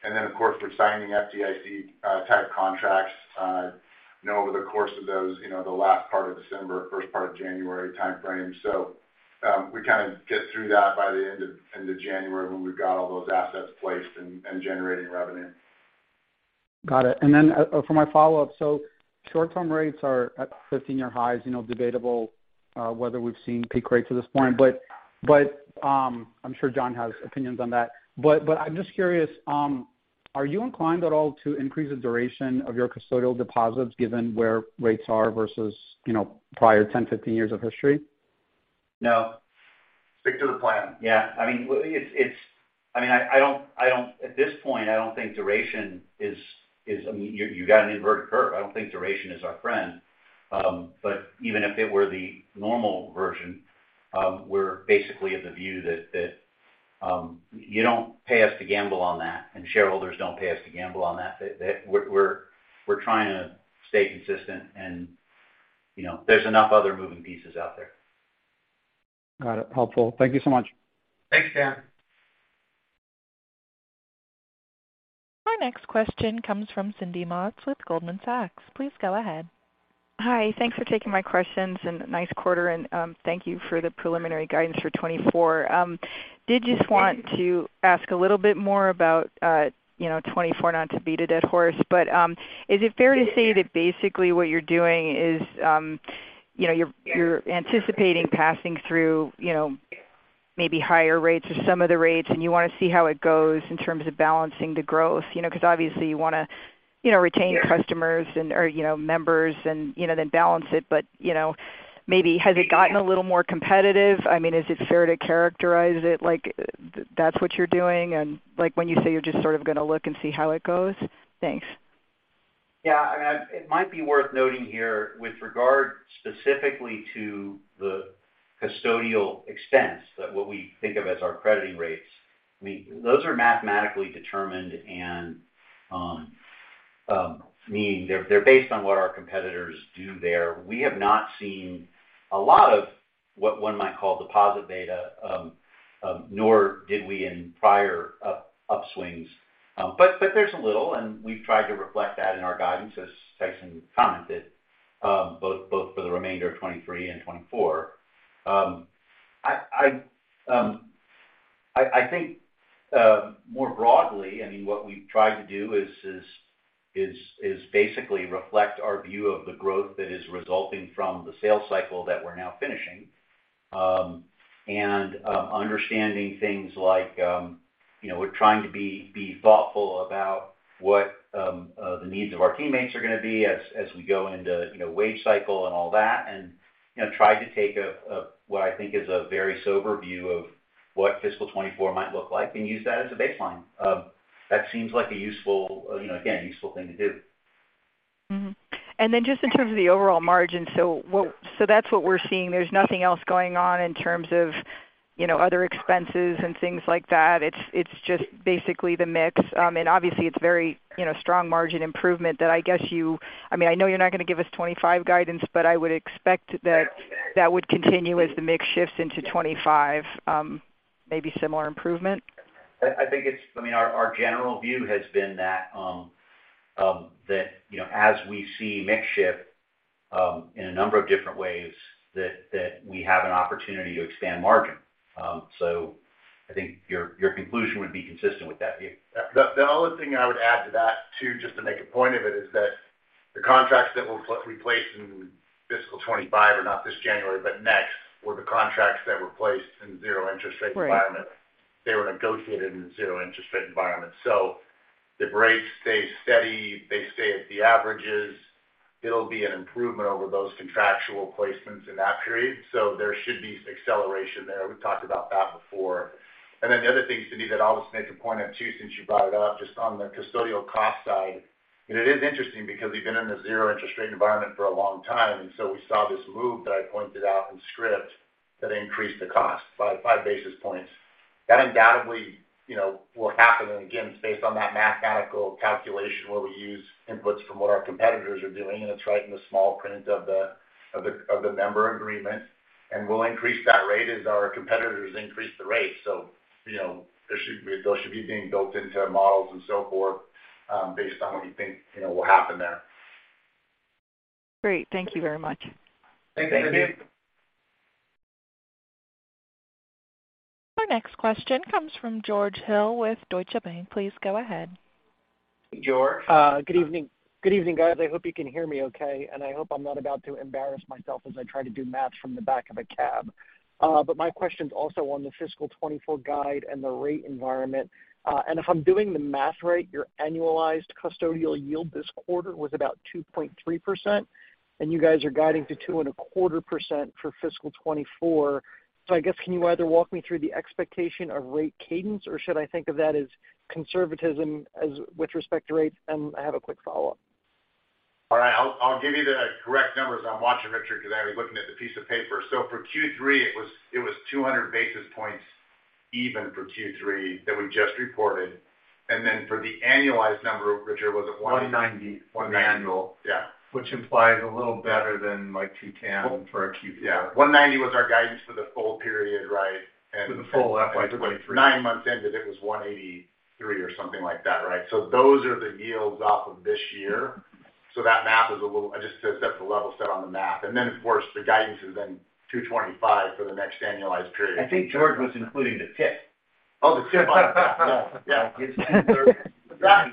Then, of course, we're signing FDIC type contracts, you know, over the course of those, you know, the last part of December, first part of January timeframe. We kind of get through that by the end of January when we've got all those assets placed and generating revenue. Got it. For my follow-up. Short-term rates are at 15-year highs, you know, debatable, whether we've seen peak rates at this point. I'm sure Jon Kessler has opinions on that. I'm just curious, are you inclined at all to increase the duration of your custodial deposits given where rates are versus, you know, prior 10, 15 years of history? No. Stick to the plan. Yeah. I mean, well, it's, I mean, I don't, at this point, I don't think duration is. I mean, you got an inverted curve. I don't think duration is our friend. Even if it were the normal version, we're basically of the view that, you don't pay us to gamble on that, and shareholders don't pay us to gamble on that. We're trying to stay consistent and, you know, there's enough other moving pieces out there. Got it. Helpful. Thank you so much. Thanks, Stan. Our next question comes from Cindy Motz with Goldman Sachs. Please go ahead. Hi. Thanks for taking my questions, and nice quarter, and thank you for the preliminary guidance for 2024. Did just want to ask a little bit more about, you know, 2024, not to beat a dead horse, is it fair to say that basically what you're doing is, you know, you're anticipating passing through, you know, maybe higher rates or some of the rates, and you wanna see how it goes in terms of balancing the growth? You know, 'cause obviously you wanna, you know, retain customers or, you know, members and, you know, then balance it. You know, maybe has it gotten a little more competitive? I mean, is it fair to characterize it like that's what you're doing? Like when you say you're just sort of gonna look and see how it goes? Thanks. Yeah. I mean, it might be worth noting here with regard specifically to the custodial expense that what we think of as our crediting rates, I mean, those are mathematically determined and meaning they're based on what our competitors do there. We have not seen a lot of what one might call deposit beta, nor did we in prior upswings. There's a little, and we've tried to reflect that in our guidance, as Tyson commented, both for the remainder of 2023 and 2024. I think, more broadly, I mean, what we've tried to do is basically reflect our view of the growth that is resulting from the sales cycle that we're now finishing. Understanding things like, you know, we're trying to be thoughtful about what the needs of our teammates are gonna be as we go into, you know, wage cycle and all that. You know, try to take a what I think is a very sober view of what fiscal 2024 might look like and use that as a baseline. That seems like a useful, you know, again, useful thing to do. Then just in terms of the overall margin, so that's what we're seeing. There's nothing else going on in terms of, you know, other expenses and things like that. It's just basically the mix. Obviously, it's very, you know, strong margin improvement that I mean, I know you're not gonna give us 2025 guidance, but I would expect that that would continue as the mix shifts into 2025, maybe similar improvement. I think it's I mean, our general view has been that, you know, as we see mix shift, in a number of different ways that we have an opportunity to expand margin. I think your conclusion would be consistent with that view. The only thing I would add to that, too, just to make a point of it, is that the contracts that we'll replace in fiscal 2025 are not this January, but next, were the contracts that were placed in zero interest rate environment. Right. They were negotiated in zero interest rate environment. The rates stay steady. They stay at the averages. It'll be an improvement over those contractual placements in that period. There should be acceleration there. We've talked about that before. The other thing, Cindy, that I'll just make a point at, too, since you brought it up, just on the custodial cost side. It is interesting because we've been in the zero interest rate environment for a long time, we saw this move that I pointed out in script that increased the cost by 5 basis points. That undoubtedly, you know, will happen. Again, it's based on that mathematical calculation where we use inputs from what our competitors are doing, and it's right in the small print of the member agreement. We'll increase that rate as our competitors increase the rate. You know, those should be being built into our models and so forth, based on what we think, you know, will happen there. Great. Thank you very much. Thanks, Cindy. Thank you. Our next question comes from George Hill with Deutsche Bank. Please go ahead. George. Good evening. Good evening, guys. I hope you can hear me okay, and I hope I'm not about to embarrass myself as I try to do math from the back of a cab. My question's also on the fiscal 2024 guide and the rate environment. If I'm doing the math right, your annualized custodial yield this quarter was about 2.3%, and you guys are guiding to 2.25% for fiscal 2024. I guess, can you either walk me through the expectation of rate cadence, or should I think of that as conservatism as with respect to rates? I have a quick follow-up. All right. I'll give you the correct numbers. I'm watching Richard because I was looking at the piece of paper. For Q3, it was 200 basis points even for Q3 that we just reported. For the annualized number, Richard, was it one-? $190 for the annual. Yeah. Which implies a little better than, like, $2.10 for a Q4. Yeah. $190 was our guidance for the full period, right? For the full FY 2023. Nine months ended, it was $183 or something like that, right? Those are the yields off of this year. That math is a little... Just to set the level set on the math. Of course, the guidance is then $225 for the next annualized period. I think George was including the tip. Oh, the tip on it. Yeah. That's George. I mean, It's +15%. I mean. He's including that. Yeah. He's got a tip in there. Yeah. Well,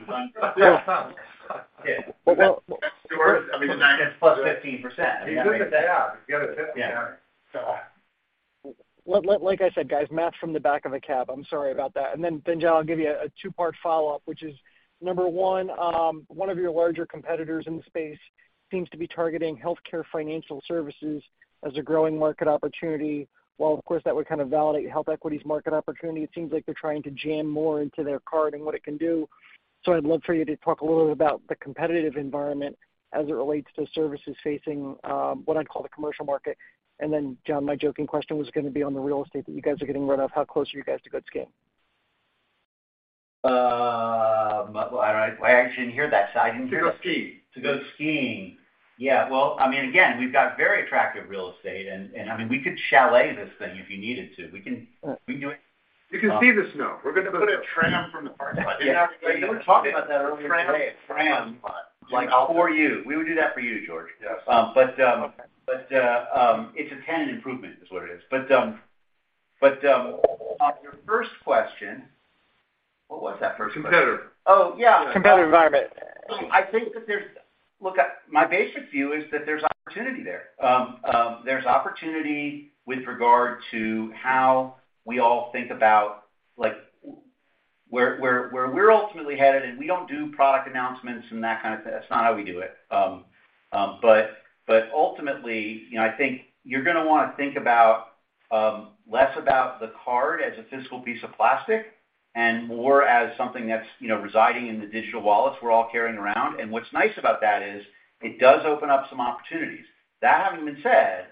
like I said, guys, math from the back of a cab. I'm sorry about that. Then, Jon, I'll give you a two-part follow-up, which is, number one, one of your larger competitors in the space seems to be targeting healthcare financial services as a growing market opportunity. While, of course, that would kind of validate HealthEquity's market opportunity, it seems like they're trying to jam more into their card and what it can do. I'd love for you to talk a little bit about the competitive environment as it relates to services facing, what I'd call the commercial market. Then, Jon, my joking question was gonna be on the real estate that you guys are getting rid of. How close are you guys to go to skiing? Well, I actually didn't hear that side. To go skiing. To go skiing. Yeah. Well, I mean, again, we've got very attractive real estate and I mean, we could chalet this thing if you needed to. We can do it. You can see the snow. We're gonna put a tram from the parking lot. We talked about that earlier today. A tram. Like, for you. We would do that for you, George. Yes. It's a tenant improvement is what it is. On your first question. What was that first question? Competitor. Oh, yeah. Competitive environment. I think that there's. Look, my basic view is that there's opportunity there. There's opportunity with regard to how we all think about, like, where we're ultimately headed, and we don't do product announcements and that kind of thing. That's not how we do it. Ultimately, you know, I think you're gonna wanna think about less about the card as a physical piece of plastic and more as something that's, you know, residing in the digital wallets we're all carrying around. What's nice about that is it does open up some opportunities. That having been said,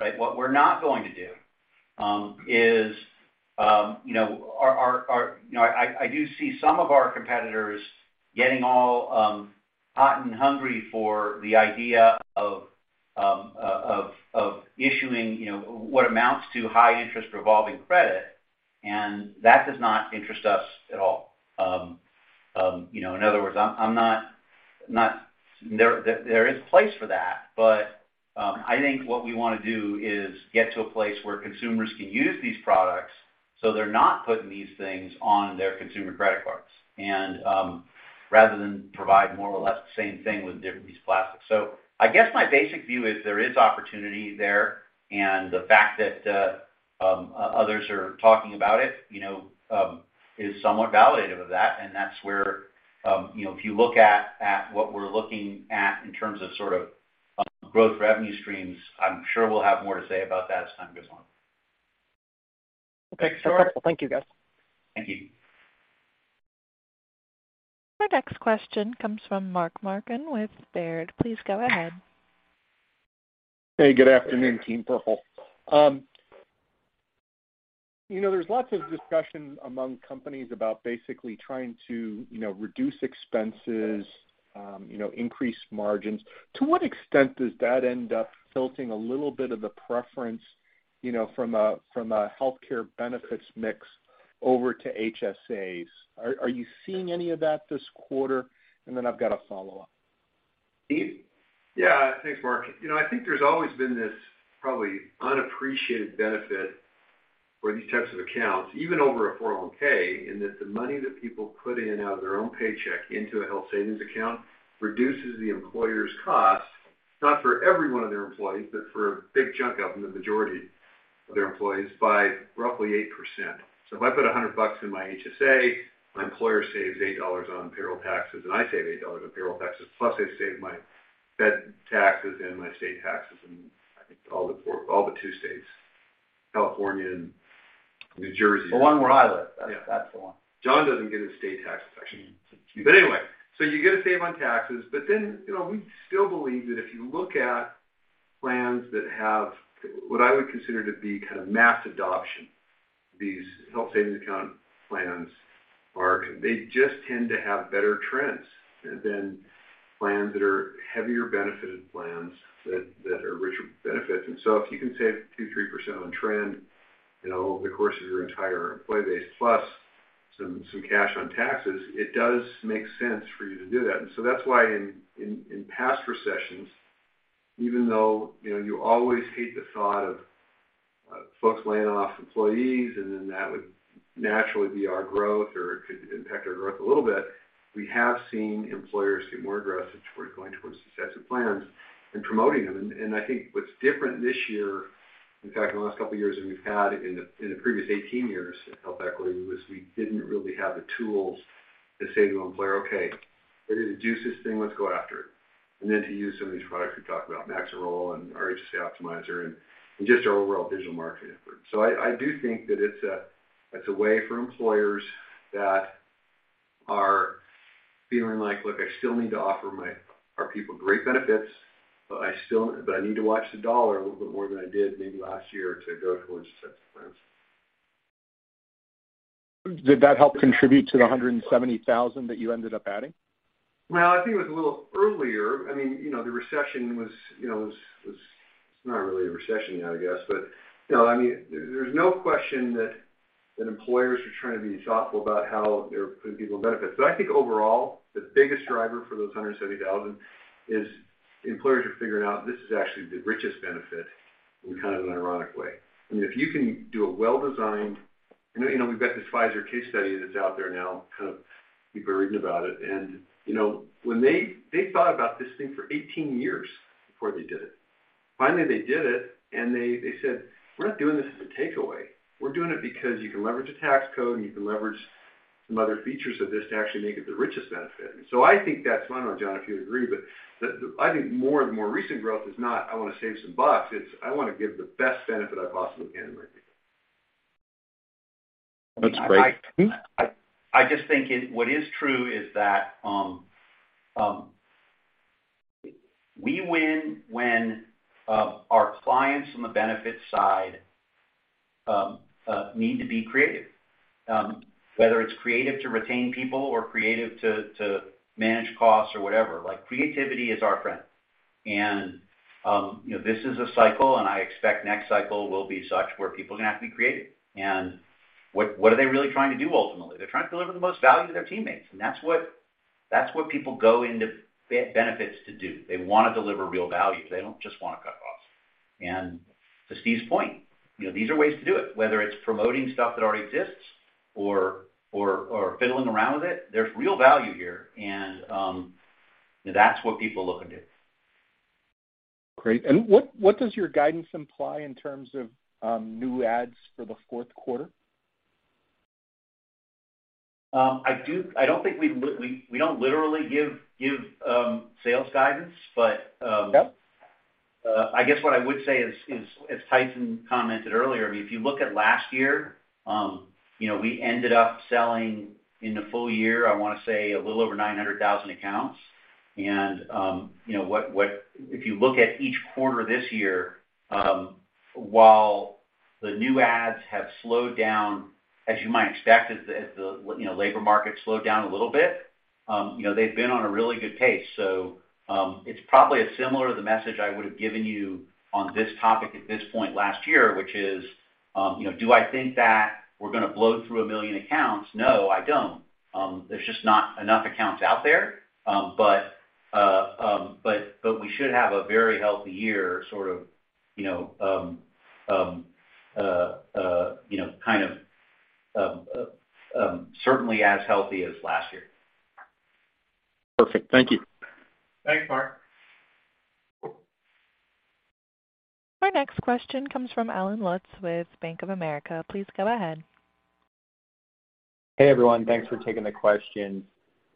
right, what we're not going to do is, you know, our. You know, I do see some of our competitors getting all hot and hungry for the idea of issuing, you know, what amounts to high interest revolving credit, and that does not interest us at all. You know, in other words, There is a place for that, but I think what we wanna do is get to a place where consumers can use these products, so they're not putting these things on their consumer credit cards and rather than provide more or less the same thing with different piece of plastic. I guess my basic view is there is opportunity there, and the fact that others are talking about it, you know, is somewhat validative of that. That's where, you know, if you look at what we're looking at in terms of sort of, growth revenue streams, I'm sure we'll have more to say about that as time goes on. Thanks, George. Thank you, guys. Thank you. Our next question comes from Mark Marcon with Baird. Please go ahead. Hey, good afternoon, Team Purple. You know, there's lots of discussion among companies about basically trying to, you know, reduce expenses, you know, increase margins. To what extent does that end up filtering a little bit of the preference, you know, from a, from a healthcare benefits mix over to HSAs? Are you seeing any of that this quarter? Then I've got a follow-up. Steve? Yeah. Thanks, Mark. You know, I think there's always been this probably unappreciated benefit for these types of accounts, even over a 401, in that the money that people put in out of their own paycheck into a health savings account reduces the employer's costs, not for every one of their employees, but for a big chunk of them, the majority of their employees, by roughly 8%. If I put $100 in my HSA, my employer saves $8 on payroll taxes, and I save $8 on payroll taxes, plus I save my Fed taxes and my state taxes, and I think all but two states, California and New Jersey. The one where I live. Yeah. That's the one. Jon doesn't get his state taxes actually. You get to save on taxes. We still believe that if you look at plans that have what I would consider to be kind of mass adoption, these Health Savings Account plans, Mark, they just tend to have better trends than plans that are heavier benefited plans that are richer benefits. If you can save two, 3% on trend, you know, over the course of your entire employee base, plus some cash on taxes, it does make sense for you to do that. That's why in past recessions, even though, you know, you always hate the thought of folks laying off employees, and then that would naturally be our growth or it could impact our growth a little bit, we have seen employers get more aggressive towards going towards successive plans and promoting them. I think what's different this year, in fact, in the last couple of years than we've had in the previous 18 years at HealthEquity, was we didn't really have the tools to say to an employer, "Okay, it is a deuces thing, let's go after it." Then to use some of these products we talked about, MaxRoll and our HSA Optimizer and just our overall digital marketing effort. I do think that it's a, it's a way for employers that are feeling like, look, I still need to offer our people great benefits, but I need to watch the dollar a little bit more than I did maybe last year to go towards successive plans. Did that help contribute to the 170,000 that you ended up adding? Well, I think it was a little earlier. I mean, you know, the recession was, you know, was... It's not really a recession now, I guess. You know, I mean, there's no question that employers are trying to be thoughtful about how they're putting people in benefits. I think overall, the biggest driver for those 170,000 is employers are figuring out this is actually the richest benefit in kind of an ironic way. I mean, if you can do a well-designed... You know, we've got this Pfizer case study that's out there now, kind of people are reading about it. You know, when they thought about this thing for 18 years before they did it. Finally, they did it, and they said, "We're not doing this as a takeaway. We're doing it because you can leverage a tax code, and you can leverage some other features of this to actually make it the richest benefit. I think that's, I don't know, Jon, if you'd agree, but the I think more and more recent growth is not, I wanna save some bucks. It's I wanna give the best benefit I possibly can to my people. That's great. I just think what is true is that we win when our clients on the benefit side need to be creative. Whether it's creative to retain people or creative to manage costs or whatever, like, creativity is our friend. You know, this is a cycle, and I expect next cycle will be such where people are gonna have to be creative. What are they really trying to do ultimately? They're trying to deliver the most value to their teammates, and that's what people go into benefits to do. They wanna deliver real value. They don't just wanna cut costs. To Steve's point, you know, these are ways to do it, whether it's promoting stuff that already exists or fiddling around with it. There's real value here, and that's what people are looking to do. Great. What, what does your guidance imply in terms of new ads for the fourth quarter? I don't think we don't literally give sales guidance, but. Yep. I guess what I would say is as Tyson commented earlier, I mean, if you look at last year, you know, we ended up selling in the full year, I wanna say a little over 900,000 accounts. You know, If you look at each quarter this year, while the new ads have slowed down, as you might expect as the, as the, you know, labor market slowed down a little bit, you know, they've been on a really good pace. It's probably as similar to the message I would have given you on this topic at this point last year, which is, you know, do I think that we're gonna blow through 1 million accounts? No, I don't. There's just not enough accounts out there. We should have a very healthy year, sort of, you know, you know, kind of, certainly as healthy as last year. Perfect. Thank you. Thanks, Mark. Our next question comes from Allen Lutz with Bank of America. Please go ahead. Hey, everyone. Thanks for taking the questions.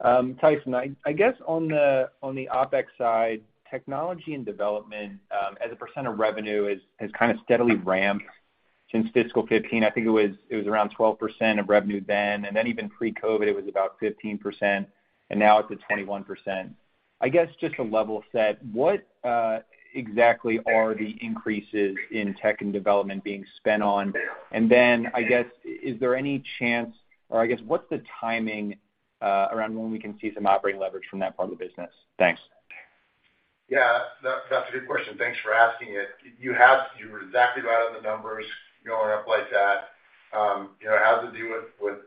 Tyson, I guess on the OpEx side, technology and development, as a percent of revenue is, has kind of steadily ramped since fiscal 2015. I think it was around 12% of revenue then, and then even pre-COVID, it was about 15%, and now it's at 21%. I guess just a level set, what exactly are the increases in tech and development being spent on? I guess, is there any chance or I guess, what's the timing around when we can see some operating leverage from that part of the business? Thanks. Yeah. That's a good question. Thanks for asking it. You were exactly right on the numbers going up like that. You know, it has to do with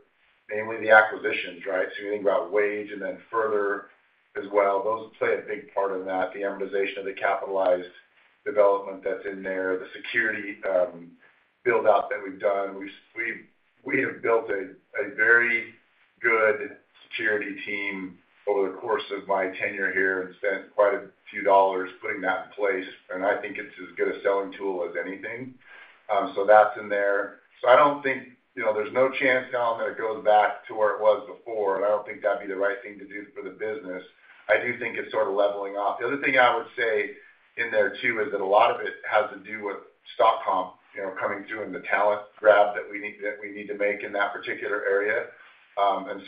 mainly the acquisitions, right? You think about wage and then Further as well. Those play a big part in that, the amortization of the capitalized development that's in there, the security build out that we've done. We have built a very good security team over the course of my tenure here and spent quite a few dollars putting that in place, and I think it's as good a selling tool as anything. That's in there. I don't think, you know, there's no chance now that it goes back to where it was before, and I don't think that'd be the right thing to do for the business. I do think it's sort of leveling off. The other thing I would say in there, too, is that a lot of it has to do with stock comp, you know, coming through and the talent grab that we need, that we need to make in that particular area.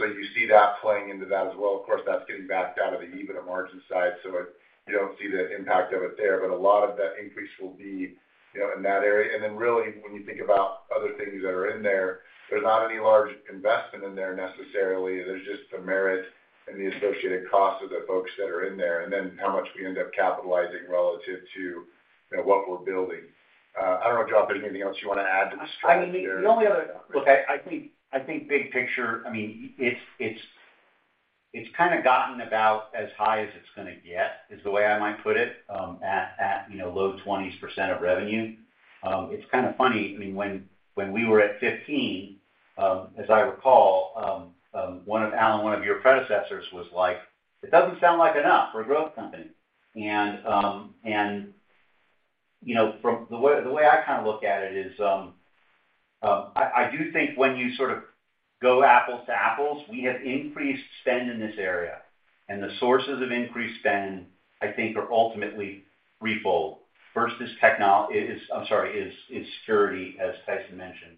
You see that playing into that as well. Of course, that's getting backed out of the EBITDA margin side, so you don't see the impact of it there. A lot of that increase will be, you know, in that area. Really, when you think about other things that are in there's not any large investment in there necessarily. There's just the merit and the associated cost of the folks that are in there, and then how much we end up capitalizing relative to, you know, what we're building. I don't know, Jon, if there's anything else you wanna add to the strategy there. I mean, the only other Look, I think big picture, I mean, it's kinda gotten about as high as it's gonna get, is the way I might put it, at, you know, low 20s% of revenue. It's kinda funny. I mean, when we were at 15, as I recall, one of Allen Lutz, one of your predecessors was like, "It doesn't sound like enough for a growth company." You know, the way I kinda look at it is, I do think when you sort of go apples to apples, we have increased spend in this area, and the sources of increased spend, I think, are ultimately threefold. First is, I'm sorry, is security, as Tyson mentioned.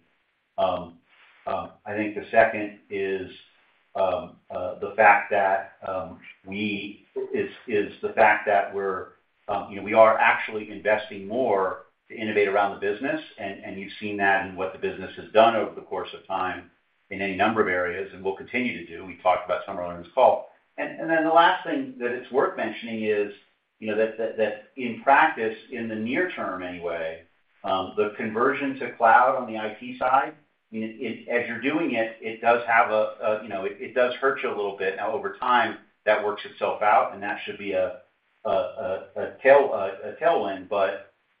I think the second is the fact that we're, you know, we are actually investing more to innovate around the business, and you've seen that in what the business has done over the course of time in any number of areas, and will continue to do. We talked about some earlier in this call. Then the last thing that it's worth mentioning is, you know, that in practice, in the near-term anyway, the conversion to cloud on the IT side, I mean, as you're doing it does have a, you know, it does hurt you a little bit. Over time, that works itself out and that should be a tail, a tailwind.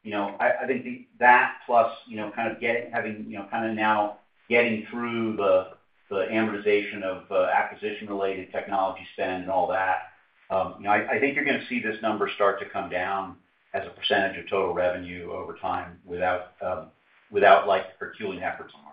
You know, I think the... that plus, you know, kind of having, you know, kind of now getting through the amortization of acquisition-related technology spend and all that, you know, I think you're gonna see this number start to come down as a percentage of total revenue over time without like peculiar efforts on our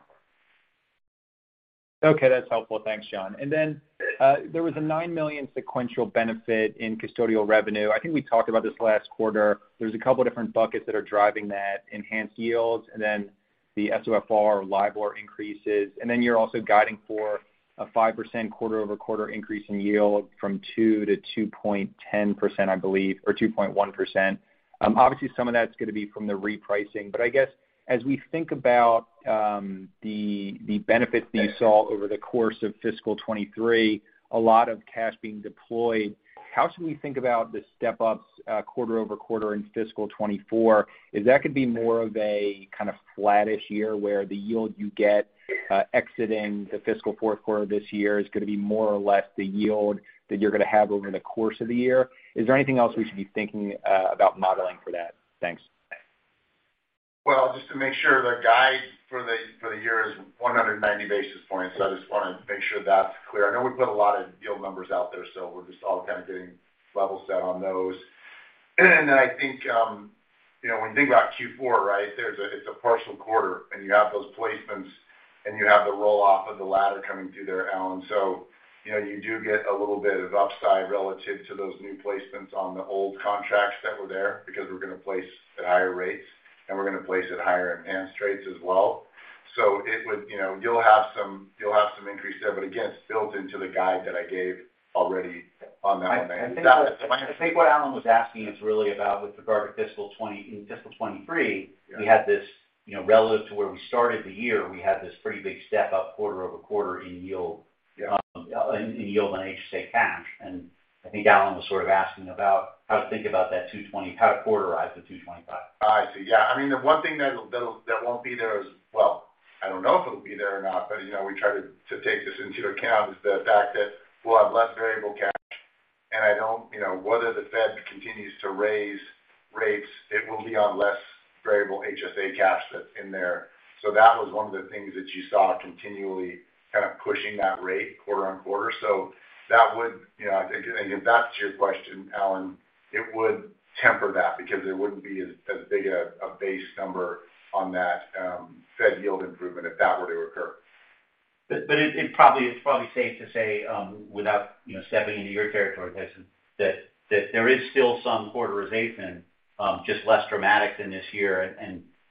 part. Okay, that's helpful. Thanks, Jon. There was a $9 million sequential benefit in custodial revenue. I think we talked about this last quarter. There's a couple different buckets that are driving that, enhanced yields, and then the SOFR or LIBOR increases. You're also guiding for a 5% quarter-over-quarter increase in yield from 2%-2.10%, I believe, or 2.1%. Obviously, some of that's gonna be from the repricing. I guess as we think about the benefits that you saw over the course of fiscal 2023, a lot of cash being deployed, how should we think about the step-ups quarter-over-quarter in fiscal 2024? Is that gonna be more of a kinda flattish year, where the yield you get, exiting the fiscal fourth quarter this year is gonna be more or less the yield that you're gonna have over the course of the year? Is there anything else we should be thinking, about modeling for that? Thanks. Well, just to make sure, the guide for the year is 190 basis points. I just wanna make sure that's clear. I know we put a lot of yield numbers out there, we're just all kind of getting level set on those. I think, you know, when you think about Q4, right, it's a partial quarter, and you have those placements, and you have the roll-off of the ladder coming through there, Allen. You know, you do get a little bit of upside relative to those new placements on the old contracts that were there because we're gonna place at higher rates, and we're gonna place at higher Enhanced Rates as well. It would, you know, you'll have some increase there, but again, it's built into the guide that I gave already on that one. I think what Allen Lutz was asking is really about with regard to fiscal 2023. Yeah. We had this, you know, relative to where we started the year, we had this pretty big step up quarter-over-quarter in yield- Yeah. in yield on HSA cash. I think Allen Lutz was sort of asking about how to quarterize the 225. I see. Yeah. I mean, the one thing that'll that won't be there as. Well, I don't know if it'll be there or not, but, you know, we try to take this into account is the fact that we'll have less variable cash. I don't, you know, whether the Fed continues to raise rates, it will be on less variable HSA cash that's in there. That was one of the things that you saw continually kind of pushing that rate quarter-over-quarter. That would, you know, I think, and if that's your question, Allen, it would temper that because it wouldn't be as big a base number on that Fed yield improvement if that were to occur. It's probably safe to say, without, you know, stepping into your territory, Tyson, that there is still some quarterization, just less dramatic than this year.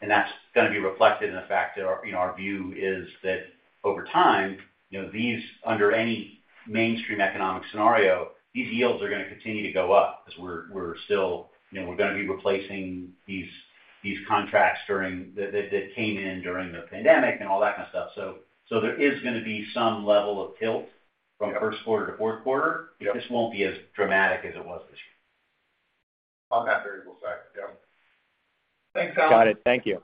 That's gonna be reflected in the fact that our, you know, our view is that over time, you know, these under any mainstream economic scenario, these yields are gonna continue to go up as we're still, you know, we're gonna be replacing these contracts that came in during the pandemic and all that kind of stuff. There is gonna be some level of tilt from first quarter to fourth quarter. Yep. It just won't be as dramatic as it was this year. On that variable side. Yeah. Thanks, Allen. Got it. Thank you.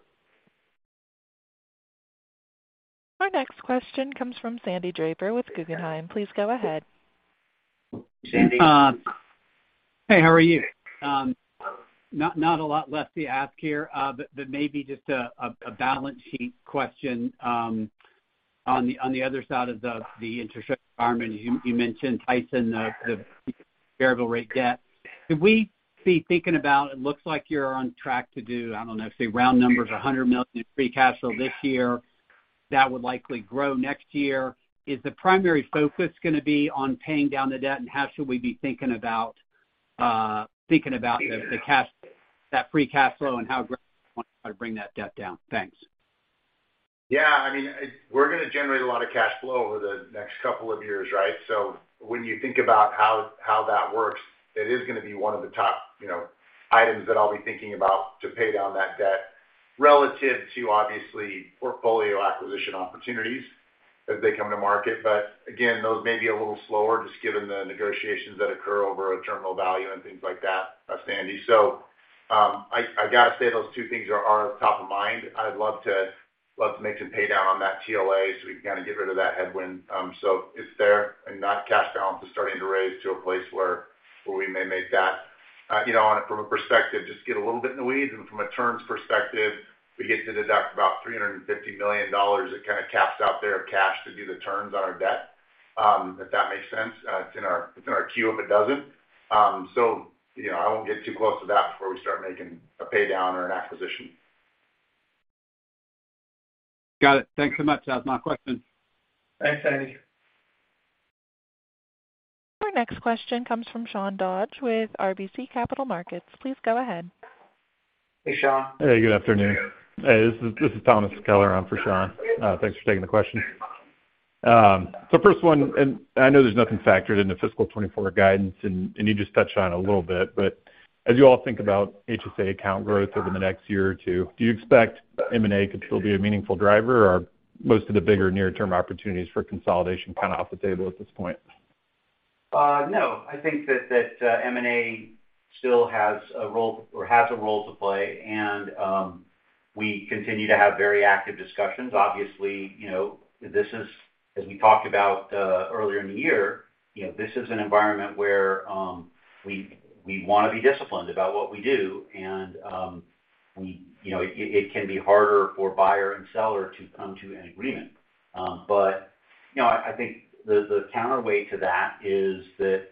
Our next question comes from Sandy Draper with Guggenheim. Please go ahead. Sandy. Hey, how are you? Not a lot left to ask here. Maybe just a balance sheet question on the other side of the interest rate environment, as you mentioned, Tyson, the variable rate debt. Could we be thinking about, it looks like you're on track to do, I don't know, say round numbers, $100 million in free cash flow this year. That would likely grow next year. Is the primary focus gonna be on paying down the debt, and how should we be thinking about the cash, that free cash flow and how you wanna try to bring that debt down? Thanks. I mean, we're gonna generate a lot of cash flow over the next couple of years, right? When you think about how that works, it is gonna be one of the top, you know, items that I'll be thinking about to pay down that debt relative to obviously portfolio acquisition opportunities as they come to market. Again, those may be a little slower just given the negotiations that occur over a terminal value and things like that, Sandy. I gotta say those two things are top of mind. I'd love to make some paydown on that TLA so we can kind of get rid of that headwind. It's there, and that cash balance is starting to raise to a place where we may make that. You know, from a perspective, just get a little bit in the weeds. From a terms perspective, we get to deduct about $350 million. It kind of caps out there of cash to do the terms on our debt, if that makes sense. It's in our queue if it doesn't. You know, I won't get too close to that before we start making a paydown or an acquisition. Got it. Thanks so much. That was my question. Thanks, Sandy. Our next question comes from Sean Dodge with RBC Capital Markets. Please go ahead. Hey, Sean. Hey, good afternoon. This is Thomas Keller on for Sean. Thanks for taking the question. First one, I know there's nothing factored in the fiscal 2024 guidance, and you just touched on it a little bit. As you all think about HSA account growth over the next year or two, do you expect M&A could still be a meaningful driver, or are most of the bigger near-term opportunities for consolidation kind of off the table at this point? No, I think that M&A still has a role or has a role to play, and we continue to have very active discussions. Obviously, you know, this is, as we talked about earlier in the year, you know, this is an environment where we wanna be disciplined about what we do. You know, it can be harder for buyer and seller to come to an agreement. You know, I think the counterweight to that is that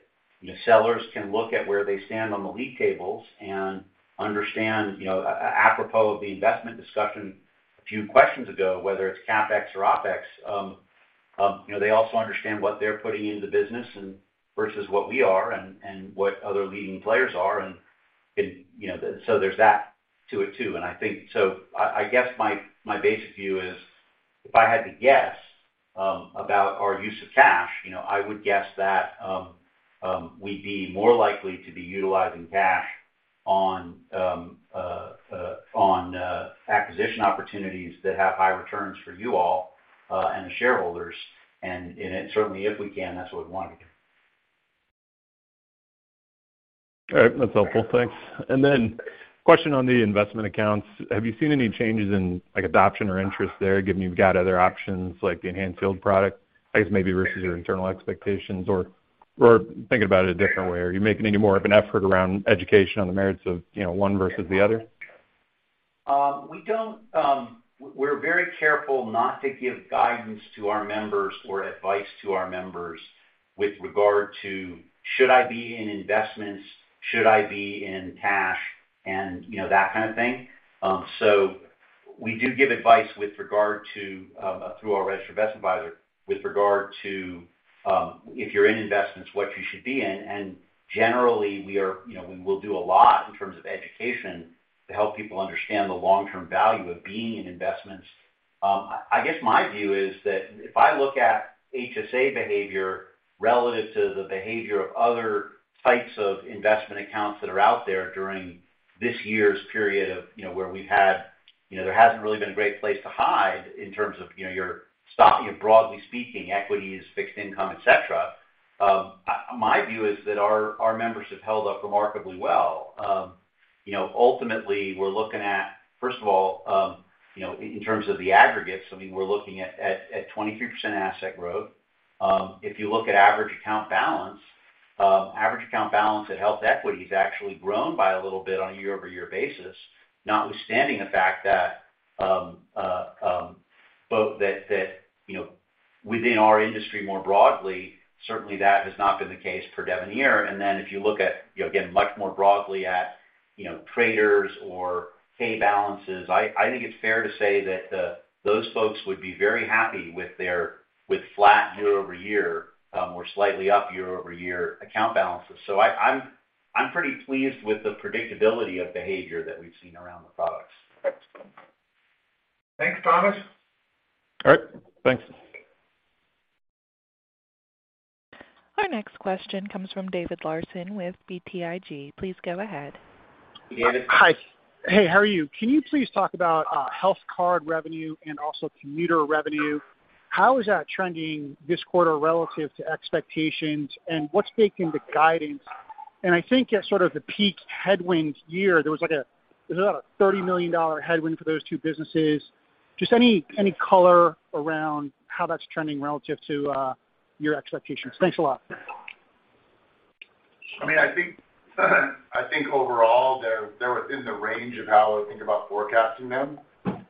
the sellers can look at where they stand on the lead tables and understand, you know, apropos of the investment discussion a few questions ago, whether it's CapEx or OpEx, you know, they also understand what they're putting into the business versus what we are and what other leading players are. You know, so there's that to it, too. And I think... I guess my basic view is if I had to guess, about our use of cash, you know, I would guess that, we'd be more likely to be utilizing cash on acquisition opportunities that have high returns for you all, and the shareholders. Certainly if we can, that's what we'd want to do. All right. That's helpful. Thanks. Question on the investment accounts. Have you seen any changes in, like, adoption or interest there, given you've got other options like the enhanced yield product, I guess maybe versus your internal expectations? Or thinking about it a different way, are you making any more of an effort around education on the merits of, you know, one versus the other? We don't. We're very careful not to give guidance to our members or advice to our members with regard to should I be in investments, should I be in cash, and, you know, that kind of thing. We do give advice with regard to through our registered investment advisor with regard to if you're in investments, what you should be in. Generally, we are, you know, we will do a lot in terms of education to help people understand the long-term value of being in investments. I guess my view is that if I look at HSA behavior relative to the behavior of other types of investment accounts that are out there during this year's period of, you know, where we've had, you know, there hasn't really been a great place to hide in terms of, you know, your stock, you know, broadly speaking, equities, fixed income, et cetera, my view is that our members have held up remarkably well. You know, ultimately, we're looking at, first of all, you know, in terms of the aggregates, I mean, we're looking at 23% asset growth. If you look at average account balance, average account balance at HealthEquity has actually grown by a little bit on a year-over-year basis, notwithstanding the fact that, both that, you know, within our industry more broadly, certainly that has not been the case per Devenir. If you look at, again, much more broadly at traders or pay balances, I think it's fair to say that those folks would be very happy with flat year-over-year, or slightly up year-over-year account balances. I'm pretty pleased with the predictability of behavior that we've seen around the products. Thanks, Thomas. All right. Thanks. Our next question comes from David Larsen with BTIG. Please go ahead. David. Hi. Hey, how are you? Can you please talk about health card revenue and also commuter revenue? How is that trending this quarter relative to expectations, and what's baked into guidance? I think at sort of the peak headwind year, Was it about a $30 million headwind for those two businesses? Just any color around how that's trending relative to your expectations. Thanks a lot. I mean, I think overall they're within the range of how I would think about forecasting them. They're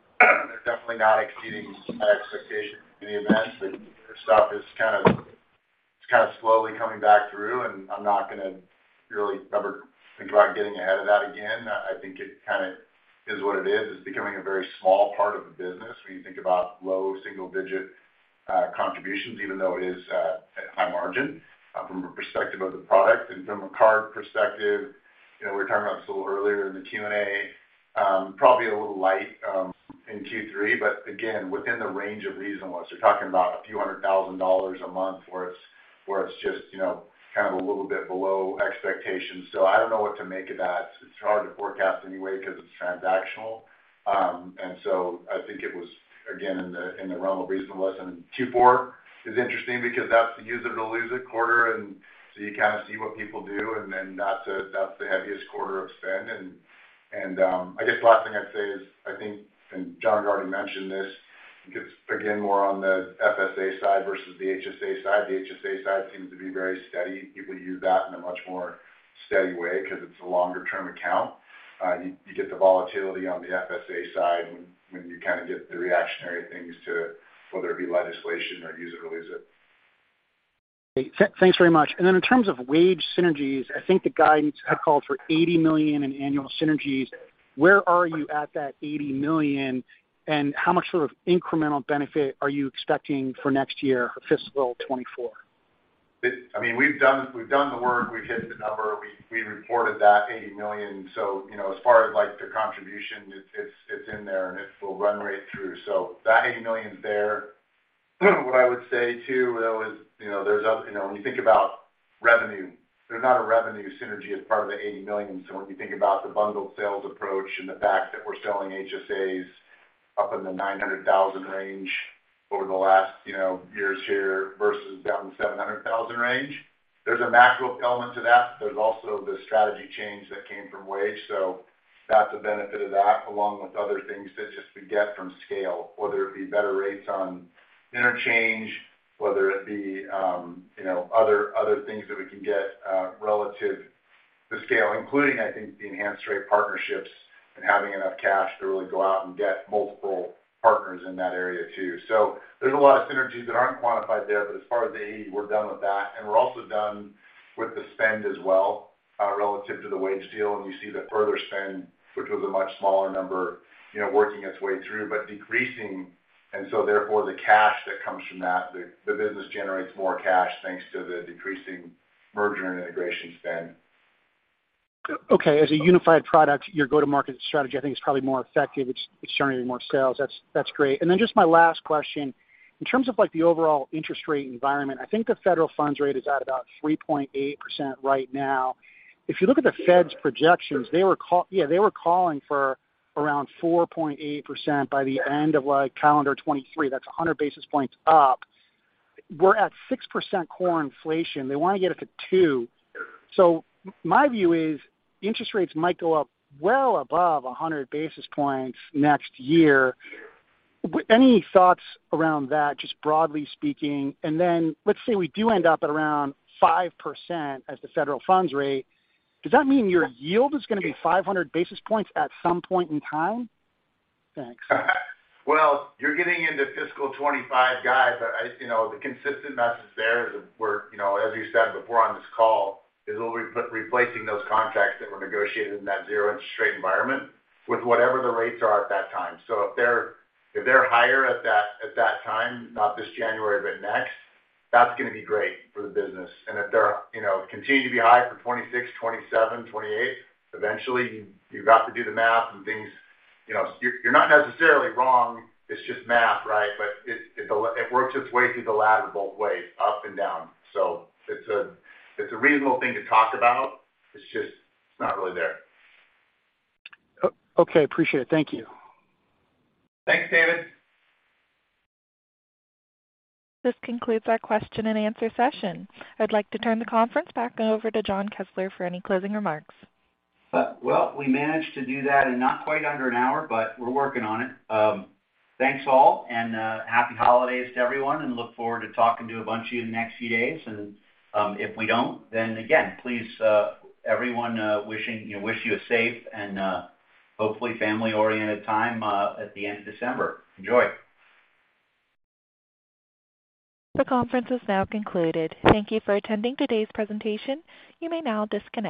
definitely not exceeding my expectations in any event. Stuff is kind of, it's kind of slowly coming back through, and I'm not gonna really ever think about getting ahead of that again. I think it kinda is what it is. It's becoming a very small part of the business when you think about low single digit contributions, even though it is at high margin from a perspective of the product. From a card perspective, you know, we were talking about this a little earlier in the Q&A, probably a little light in Q3, but again, within the range of reasonableness. We're talking about a few hundred thousand dollars a month where it's just, you know, kind of a little bit below expectations. I don't know what to make of that. It's hard to forecast anyway 'cause it's transactional. I think it was, again, in the, in the realm of reasonableness. Q4 is interesting because that's the use it or lose it quarter, you kinda see what people do, and then that's the heaviest quarter of spend. I guess last thing I'd say is, I think, Jon Kessler mentioned this, it's, again, more on the FSA side versus the HSA side. The HSA side seems to be very steady. People use that in a much more steady way 'cause it's a longer-term account. You, you get the volatility on the FSA side when you kinda get the reactionary things to whether it be legislation or use it or lose it. Great. Thanks very much. Then in terms of wage synergies, I think the guidance had called for $80 million in annual synergies. Where are you at that $80 million, and how much sort of incremental benefit are you expecting for next year, fiscal 2024? I mean, we've done the work, we've hit the number. We reported that $80 million. You know, as far as, like, the contribution, it's in there and it will run right through. That $80 million's there. What I would say, too, though, is, you know, when you think about revenue, there's not a revenue synergy as part of the $80 million. When you think about the bundled sales approach and the fact that we're selling HSAs up in the 900,000 range over the last, you know, years here versus down in the 700,000 range, there's a macro element to that, but there's also the strategy change that came from WageWorks. That's a benefit of that, along with other things that just we get from scale, whether it be better rates on interchange, whether it be, you know, other things that we can get relative to scale, including, I think, the Enhanced Rates partnerships and having enough cash to really go out and get multiple partners in that area too. There's a lot of synergies that aren't quantified there, but as far as the 80, we're done with that. We're also done with the spend as well, relative to the WageWorks deal. You see the Further spend, which was a much smaller number, you know, working its way through, but decreasing. Therefore, the cash that comes from that, the business generates more cash thanks to the decreasing merger and integration spend. Okay. As a unified product, your go-to-market strategy, I think is probably more effective. It's generating more sales. That's great. Just my last question, in terms of, like, the overall interest rate environment, I think the Federal funds rate is at about 3.8% right now. If you look at the Fed's projections, yeah, they were calling for around 4.8% by the end of, like, calendar 2023. That's 100 basis points up. We're at 6% core inflation. They wanna get it to two. My view is interest rates might go up well above 100 basis points next year. Any thoughts around that, just broadly speaking? Let's say we do end up at around 5% as the Federal funds rate, does that mean your yield is gonna be 500 basis points at some point in time? Thanks. Well, you're getting into fiscal 2025, guys. I, you know, the consistent message there is we're, you know, as we said before on this call, is we'll be put replacing those contracts that were negotiated in that zero interest rate environment with whatever the rates are at that time. If they're, if they're higher at that, at that time, not this January, but next, that's gonna be great for the business. If they're, you know, continue to be high for 2026, 2027, 2028, eventually you've got to do the math and things. You know, you're not necessarily wrong. It's just math, right? It, it works its way through the ladder both ways, up and down. It's a, it's a reasonable thing to talk about. It's just, it's not really there. Okay. Appreciate it. Thank you. Thanks, David. This concludes our question and answer session. I'd like to turn the conference back over to Jon Kessler for any closing remarks. Well, we managed to do that in not quite under an hour, but we're working on it. Thanks all, and happy holidays to everyone, and look forward to talking to a bunch of you in the next few days. If we don't, then again, please, everyone, wishing, you know, wish you a safe and hopefully family-oriented time at the end of December. Enjoy. The conference is now concluded. Thank you for attending today's presentation. You may now disconnect.